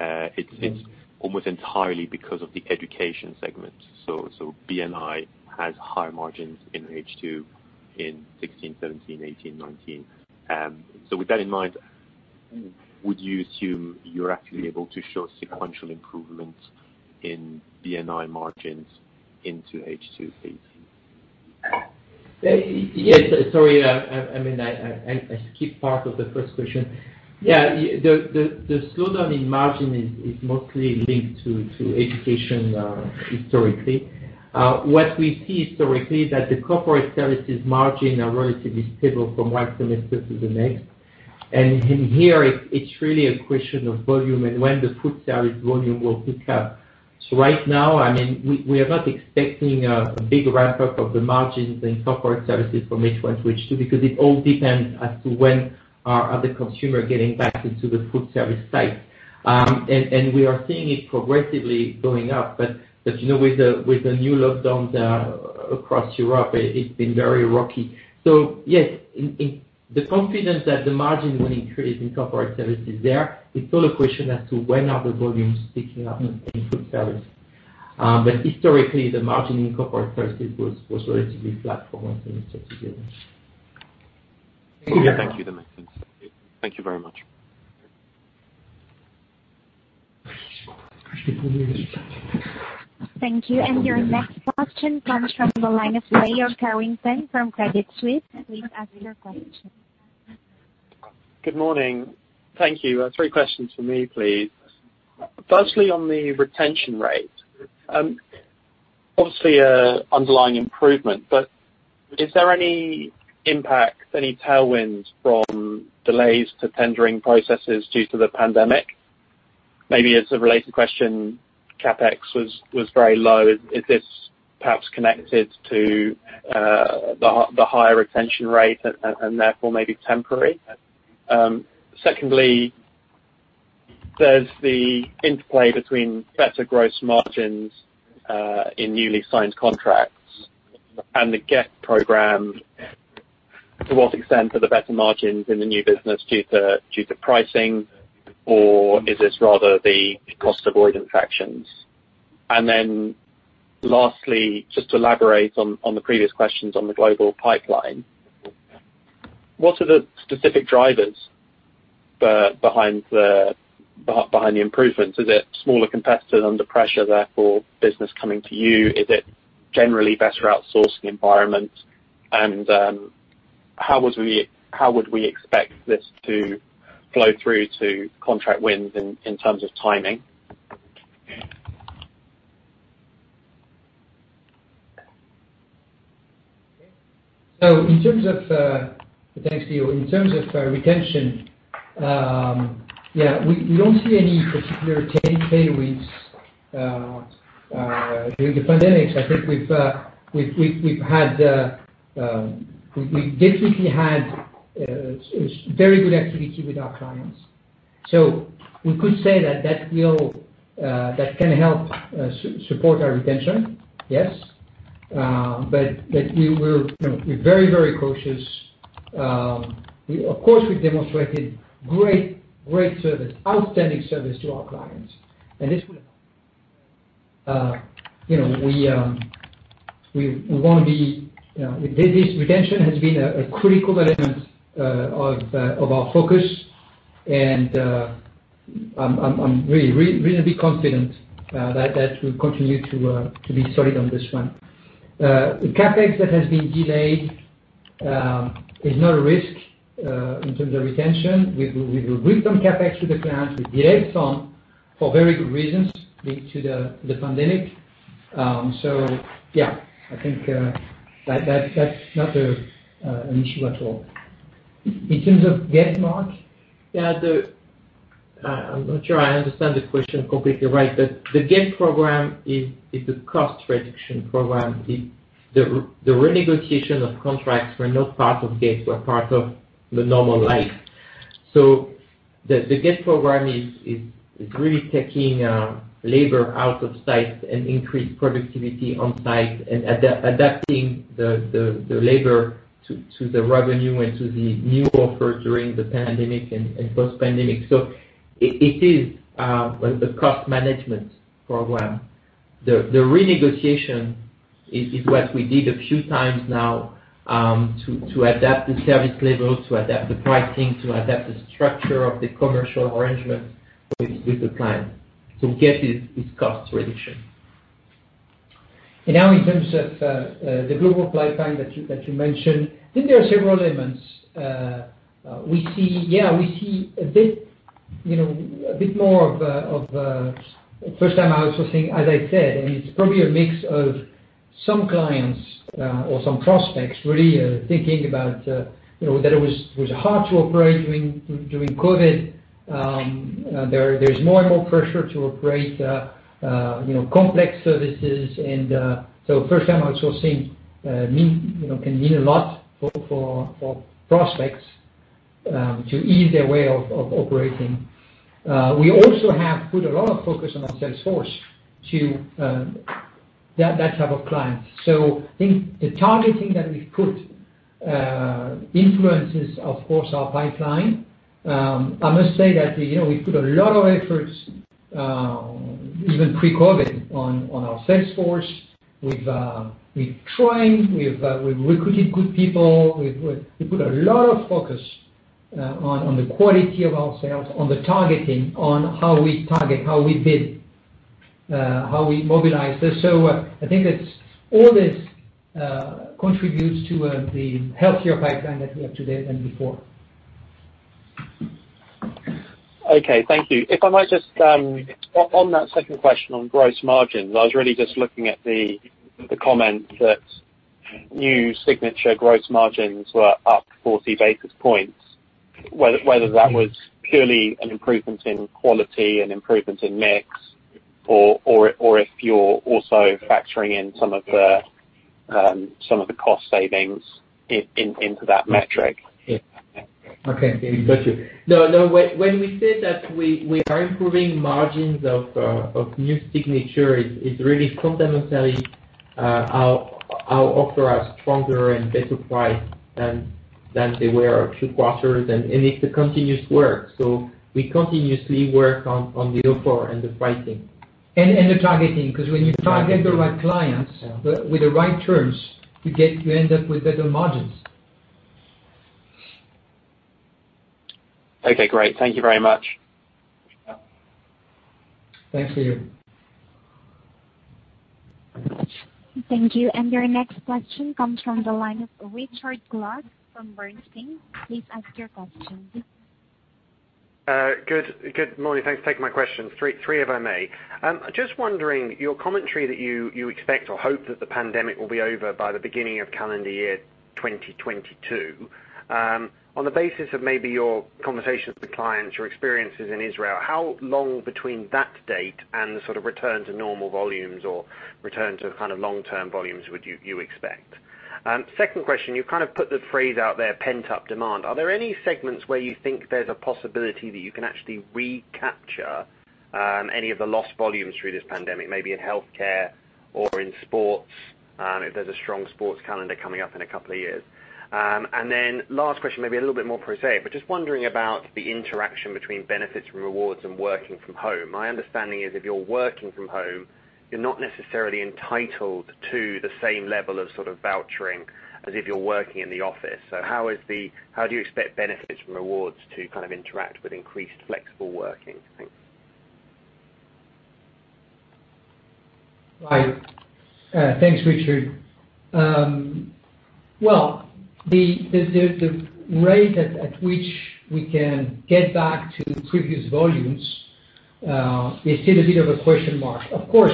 it's almost entirely because of the education segment. B&I had higher margins in H2 in 2016, 2017, 2018, and 2019. With that in mind, would you assume you're actually able to show sequential improvement in B&I margins into H2 pace? Sorry, I skipped part of the first question. The slowdown in margin is mostly linked to education historically. What we see historically is that the Corporate Services margins are relatively stable from one semester to the next. In here, it's really a question of volume and when the food service volume will pick up. Right now, we are not expecting a big ramp-up of the margins in Corporate Services from H1-H2 because it all depends on when other consumers are getting back into the food service site. We are seeing it progressively going up. With the new lockdowns across Europe, it's been very rocky. Yes, the confidence that the margin will increase in Corporate Services is there. It's all a question as to when the volumes are picking up in food service. Historically, the margin in Corporate Services was relatively flat from one semester to the other. Thank you. That makes sense. Thank you very much. Thank you. Your next question comes from the line of Leo Carrington from Credit Suisse. Please ask your question. Good morning. Thank you. Three questions from me, please. Firstly, on the retention rate. Obviously, there's underlying improvement, but is there any impact, any tailwind from delays to tendering processes due to the pandemic? Maybe as a related question, CapEx was very low. Is this perhaps connected to the higher retention rate and therefore may be temporary? Secondly, there's the interplay between better gross margins in newly signed contracts and the GET program. To what extent are the better margins in the new business due to pricing, or are these rather the cost-avoidance actions? Lastly, just to elaborate on the previous questions on the global pipeline, what are the specific drivers behind the improvements? Are smaller competitors under pressure, therefore business to you? Is it generally a better outsourcing environment? How would we expect this to flow through to contract wins in terms of timing? Thanks, Leo. In terms of retention, yeah, we don't see any particular tailwinds during the pandemic. I think we've definitely had very good activity with our clients. We could say that can help support our retention, yes. We're very cautious. Of course, we demonstrated great service, outstanding service, to our clients. This retention has been a critical element of our focus, and I'm really confident that we'll continue to be solid on this front. The CapEx that has been delayed is not a risk in terms of retention. We will bring some CapEx to the clients. We delayed some for very good reasons, linked to the pandemic. Yeah, I think that's not an issue at all. In terms of GET, Marc? Yeah. I'm not sure I understand the question completely right; the GET program is a cost reduction program. The renegotiation of contracts was not part of GET; it was part of normal life. The GET program is really taking labor out of sites and increasing productivity on site and adapting the labor to the revenue and to the new offer during the pandemic and post-pandemic. It is the cost management program. The renegotiation is what we have done a few times now to adapt the service level, to adapt the pricing, to adapt the structure of the commercial arrangement with the client. GET is cost reduction. Now in terms of the global pipeline that you mentioned, I think there are several elements. We see a bit more of first-time outsourcing, as I said, and it's probably a mix of some clients or some prospects really thinking about how it was hard to operate during COVID-19. There is more and more pressure to operate complex services. First-time outsourcing can mean a lot for prospects to ease their way of operating. We also have put a lot of focus on our sales force on that type of client. I think the targeting that we've put influences, of course, our pipeline. I must say that we put a lot of effort, even pre-COVID-19, into our sales force. We've trained; we've recruited good people. We put a lot of focus on the quality of our sales, on the targeting, on how we target, how we bid, and how we mobilize this. I think that all this contributes to the healthier pipeline that we have today than before. Okay, thank you. On that second question on gross margins, I was really just looking at the comment that new signature gross margins were up 40 basis points, whether that was purely an improvement in quality and improvement in mix or if you're also factoring in some of the cost savings into that metric. Okay, got you. No, when we say that we are improving margins of new signature, it's really concomitantly our offer is stronger and better priced than it was a few quarters, and it's a continuous work. We continuously work on the offer and the pricing. The targeting, because when you target the right clients with the right terms, you end up with better margins. Okay, great. Thank you very much. Yeah. Thanks, Leo. Thank you. Your next question comes from the line of Richard Clarke from Bernstein. Please ask your question. Good morning. Thanks for taking my question. Three, if I may. Just wondering, your commentary that you expect or hope that the pandemic will be over by the beginning of the calendar year 2022. On the basis of maybe your conversations with clients, your experiences in Israel, how long between that date and the sort of return to normal volumes or return to kind of long-term volumes would you expect? Second question: you've kind of put the phrase out there, "pent-up demand." Are there any segments where you think there's a possibility that you can actually recapture any of the lost volumes through this pandemic, maybe in Healthcare or in Sports if there's a strong sports calendar coming up in a couple of years? Last question, maybe a little bit more prosaic, but just wondering about the interaction between Benefits & Rewards and working from home. My understanding is if you're working from home, you're not necessarily entitled to the same level of sort of vouchering as if you're working in the office. How do you expect Benefits & Rewards to kind of interact with increased flexible working? Thanks. Right. Thanks, Richard. Well, the rate at which we can get back to previous volumes. It's still a bit of a question mark. Of course,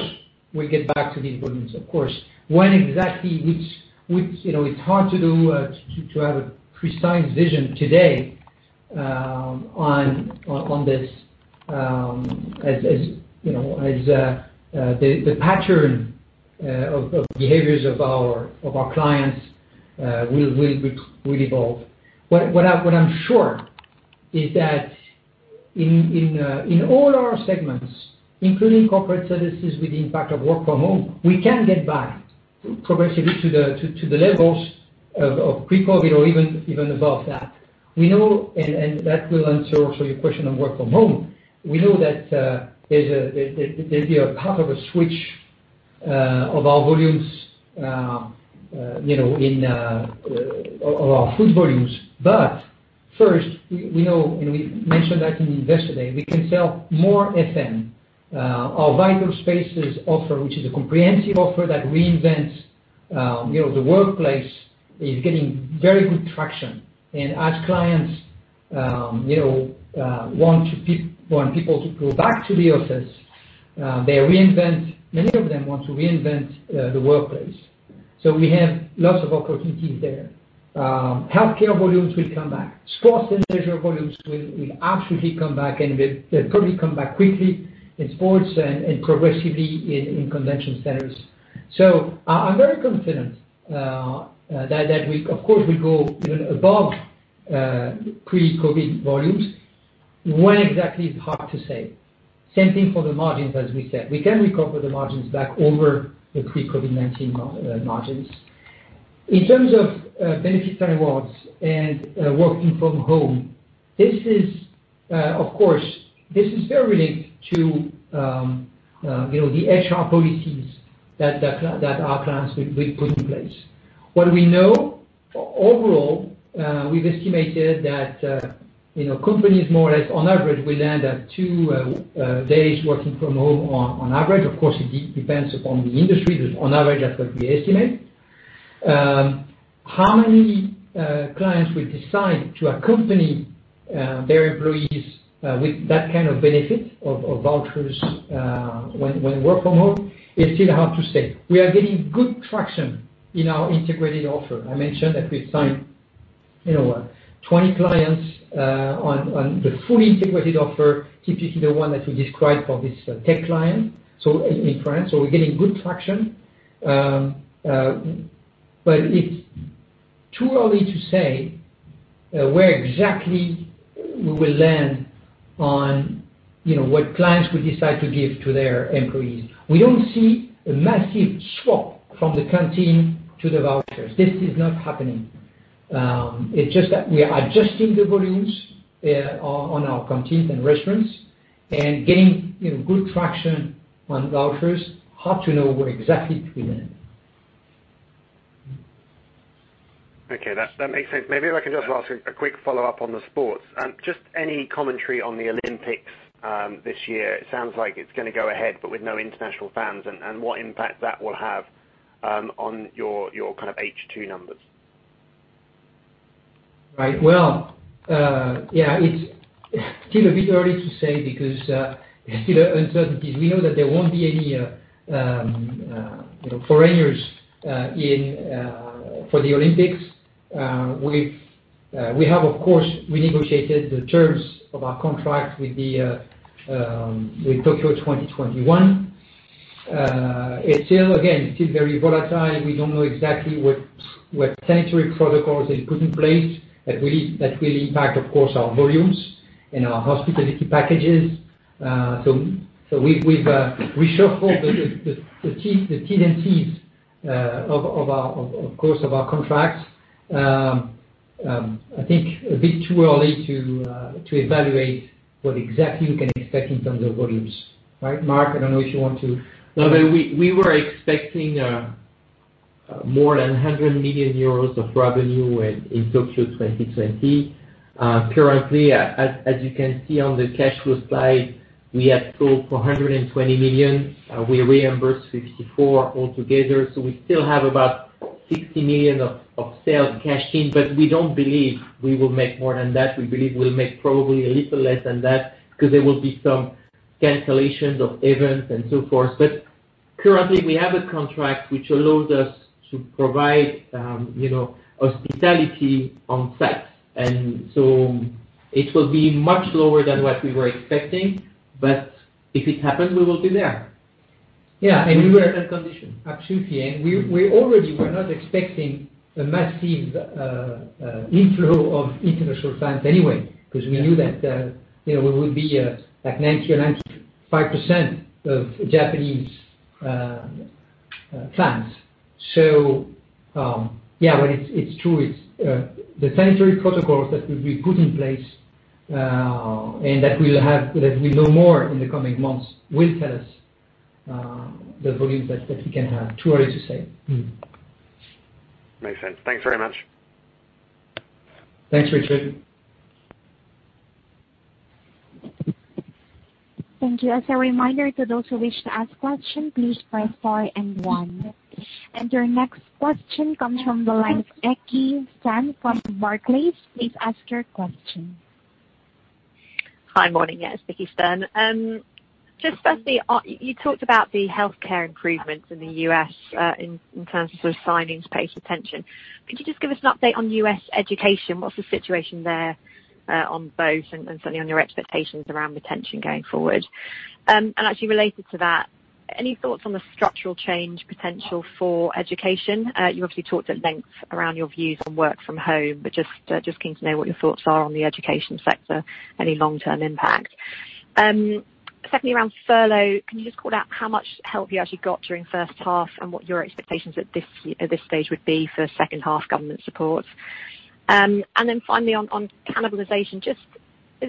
we'll get back to these volumes, of course. When exactly? It's hard to have a precise vision today on this, as the pattern of behaviors of our clients will evolve. What I'm sure of is that in all our segments, including Corporate Services with the impact of work from home, we can get back progressively to the levels of pre-COVID-19 or even above that. That will also answer your question on working from home. First, we know, and we mentioned that in Investor Day, we can sell more FM. Our Vital Spaces offer, which is a comprehensive offer that reinvents the workplace, is getting very good traction. As clients want people to go back to the office, many of them want to reinvent the workplace. We have lots of opportunities there. Healthcare volumes will come back. Sports & Leisure volumes will absolutely come back, and they'll probably come back quickly in sports and progressively in convention centers. I'm very confident that, of course, we go even above pre-COVID-19 volumes. When exactly is hard to say. Same thing for the margins as we said. We can recover the margins back over the pre-COVID-19 margins. In terms of Benefits & Rewards and working from home, this is very linked to the HR policies that our clients will put in place. What we know, overall, is we've estimated that companies, more or less, on average, will end up working two days from home on average. Of course, it depends upon the industry, but on average, that's what we estimate. How many clients will decide to accompany their employees with that kind of benefit of vouchers when working from home is still hard to say. We are getting good traction in our integrated offer. I mentioned that we've signed 20 clients on the fully integrated offer, typically the one that we described for this tech client in France. We're getting good traction. It's too early to say where exactly we will land on what clients will decide to give to their employees. We don't see a massive swap from the canteen to the vouchers. This is not happening. It's just that we are adjusting the volumes on our canteens and restaurants and getting good traction on vouchers. Hard to know where exactly to land. Okay. That makes sense. Maybe if I can just ask a quick follow-up on the sports, just any commentary on the Olympics this year? It sounds like it's going to go ahead, but with no international fans, and what impact that will have on your H2 numbers. Right. Well, yeah, it's still a bit early to say because there are still uncertainties. We know that there won't be any foreigners for the Olympics. We have, of course, renegotiated the terms of our contract with Tokyo 2021. Again, it's still very volatile. We don't know exactly what sanitary protocols they put in place that will impact, of course, our volumes and our hospitality packages. We've reshuffled the T's and C's, of course, of our contracts. I think it's a bit too early to evaluate what exactly we can expect in terms of volumes. Right, Marc? I don't know if you want to We were expecting more than 100 million euros of revenue in Tokyo 2020. Currently, as you can see on the cash flow slide, we had a flow of 120 million. We reimbursed 54 altogether. We still have about 60 million of sales cashed in, but we don't believe we will make more than that. We believe we will make probably a little less than that because there will be some cancellations of events and so forth. Currently, we have a contract that allows us to provide hospitality on-site, and so it will be much lower than what we were expecting. If it happens, we will be there. Yeah. Under certain conditions. Absolutely. We already were not expecting a massive inflow of international fans anyway, because we knew that it would be, like, 90% or 95% of Japanese fans. Yeah, well, it's true. The sanitary protocols that will be put in place, and that we will know more about in the coming months, will tell us the volumes that we can have. Too early to say. Makes sense. Thanks very much. Thanks, Richard. Thank you. As a reminder to those who wish to ask questions, please press star and one. Your next question comes from the line of Vicki Stern from Barclays. Please ask your question. Hi, morning! Yeah, it's Vicki Stern. Just firstly, you talked about the healthcare improvements in the U.S. in terms of signing pace and retention. Could you just give us an update on U.S. education? What's the situation there on both, and certainly your expectations around retention going forward? Actually related to that, any thoughts on the structural change potential for education? You obviously talked at length around your views on working from home, but I'm just keen to know what your thoughts are on the education sector and any long-term impact. Secondly, around furlough, can you just call out how much help you actually got during the first half and what your expectations at this stage would be for second-half government support? Finally, on cannibalization, just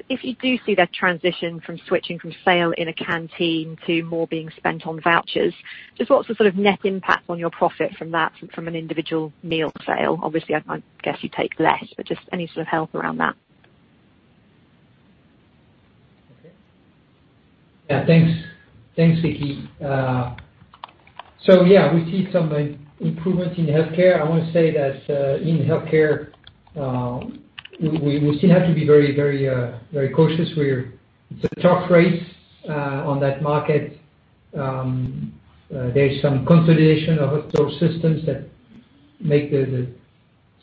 if you do see that transition from switching from a sale in a canteen to more being spent on vouchers, just what's the sort of net impact on your profit from that from an individual meal sale? Obviously, I guess you take less, but just any sort of help around that. Okay. Yeah, thanks, Vicki. Yeah, we see some improvement in healthcare. I want to say that, in healthcare, we still have to be very cautious. It's a tough race on that market. There's some consolidation of hospital lsystems that makes the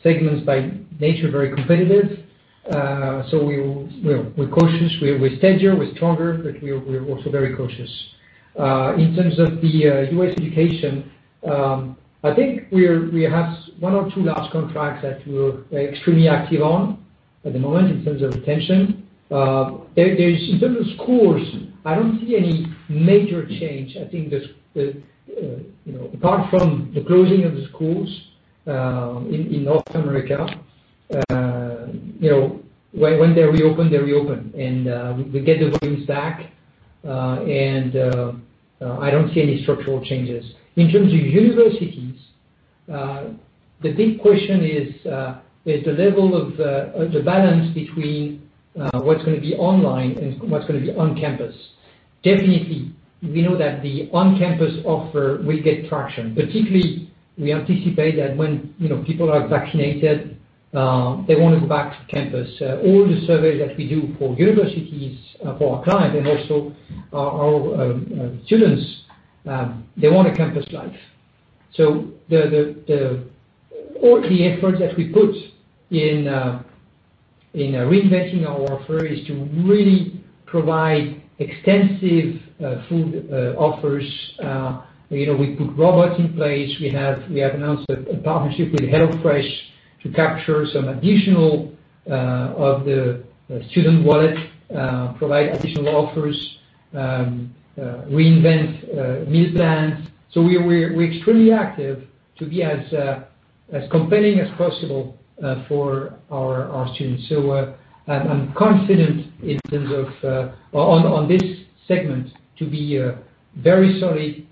segments by nature very competitive. So we're cautious, we're steadier, we're stronger, but we're also very cautious. In terms of U.S. education, I think we have one or two last contracts that we're extremely active on at the moment in terms of retention. In terms of schools, I don't see any major change. I think apart from the closing of the schools in North America, when they reopen, they reopen, and we get the volumes back. I don't see any structural changes. In terms of universities, the big question is the level of the balance between what's going to be online and what's going to be on campus. Definitely, we know that the on-campus offer will get traction. Particularly, we anticipate that when people are vaccinated, they want to go back to campus. All the surveys that we do for universities, for our clients, and also for our students—they want a campus life. All the efforts that we put into reinventing our offer are to really provide extensive food offers. We put robots in place. We have announced a partnership with HelloFresh to capture some additional of the student wallet, provide additional offers, and reinvent meal plans. We're extremely active to be as compelling as possible for our students. I'm confident in terms of this segment being very solid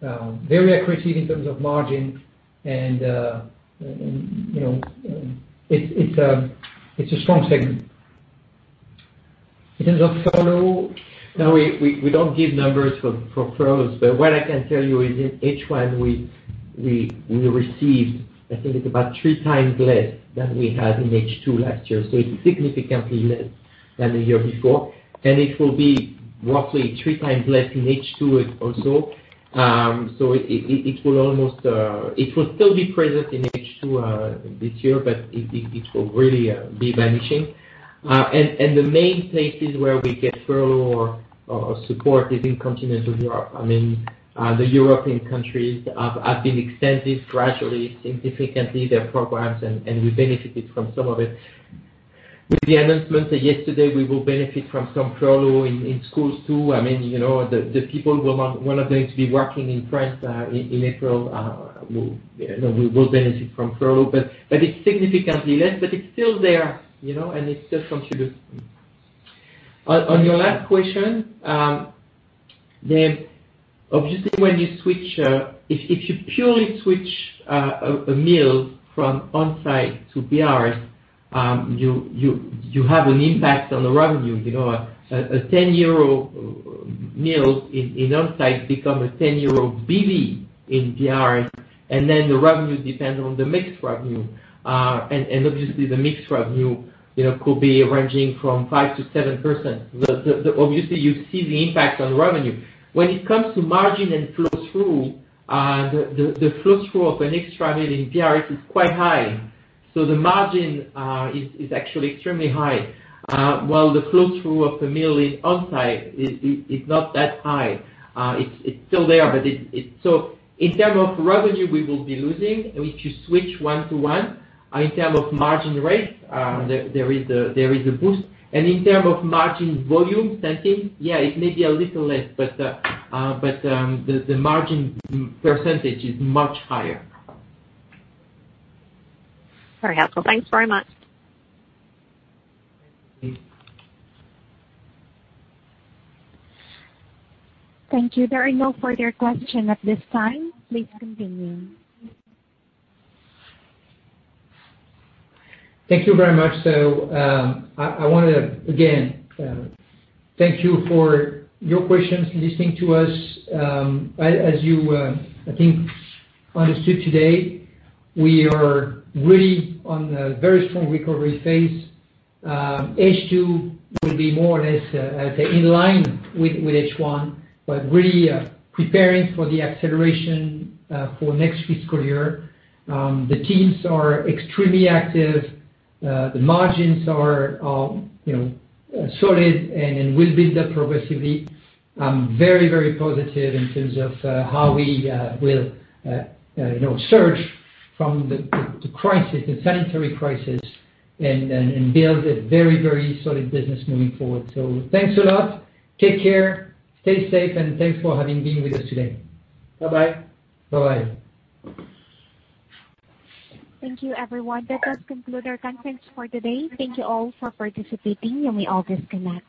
and very accretive in terms of margin, and it's a strong segment. In terms of furlough, now, we don't give numbers for furloughs, but what I can tell you is in H1 we received, I think it's about 3x less than we had in H2 last year. It's significantly less than the year before, and it will be roughly 3x less in H2 or so. It will still be present in H2 this year, but it will really be vanishing. The main places where we get furlough or support are in continental Europe. I mean, the European countries have been extensively and gradually and significantly expanding their programs, and we benefited from some of it. With the announcement yesterday, we will benefit from some furlough in schools, too. I mean, for the people who are not going to be working in France in April, we will benefit from furlough. It's significantly less, but it's still there, and it still contributes. On your last question, obviously, if you purely switch a meal from on-site to BRS, you have an impact on the revenue. A 10 euro meal on-site becomes a 10 euro benefit voucher in BRS, and then the revenue depends on the mixed revenue. Obviously, the mixed revenue could be ranging from 5%-7%. Obviously, you see the impact on revenue. When it comes to margin and flow through, the flow through of an extra meal in BRS is quite high. The margin is actually extremely high. The flow on-site of the meal is not that high. It's still there. In terms of revenue, we will be losing if you switch 1:1. In terms of margin rates, there is a boost. In terms of margin volume, same thing. Yeah, it may be a little less, but the margin percentage is much higher. Very helpful. Thanks very much. Thank you. Thank you. There are no further questions at this time. Please continue. Thank you very much. I want to again, thank you for your questions and listening to us. As you, I think understood today, we are really on a very strong recovery phase. H2 will be more or less in line with H1, but really preparing for the acceleration for the next fiscal year. The teams are extremely active. The margins are solid and will build up progressively. I'm very, very positive in terms of how we will surge from the crisis, the sanitary crisis, and build a very, very solid business moving forward. Thanks a lot. Take care, stay safe, and thanks for having been with us today. Bye-bye. Bye-bye. Thank you, everyone. That does conclude our conference for today. Thank you all for participating, and we all disconnect.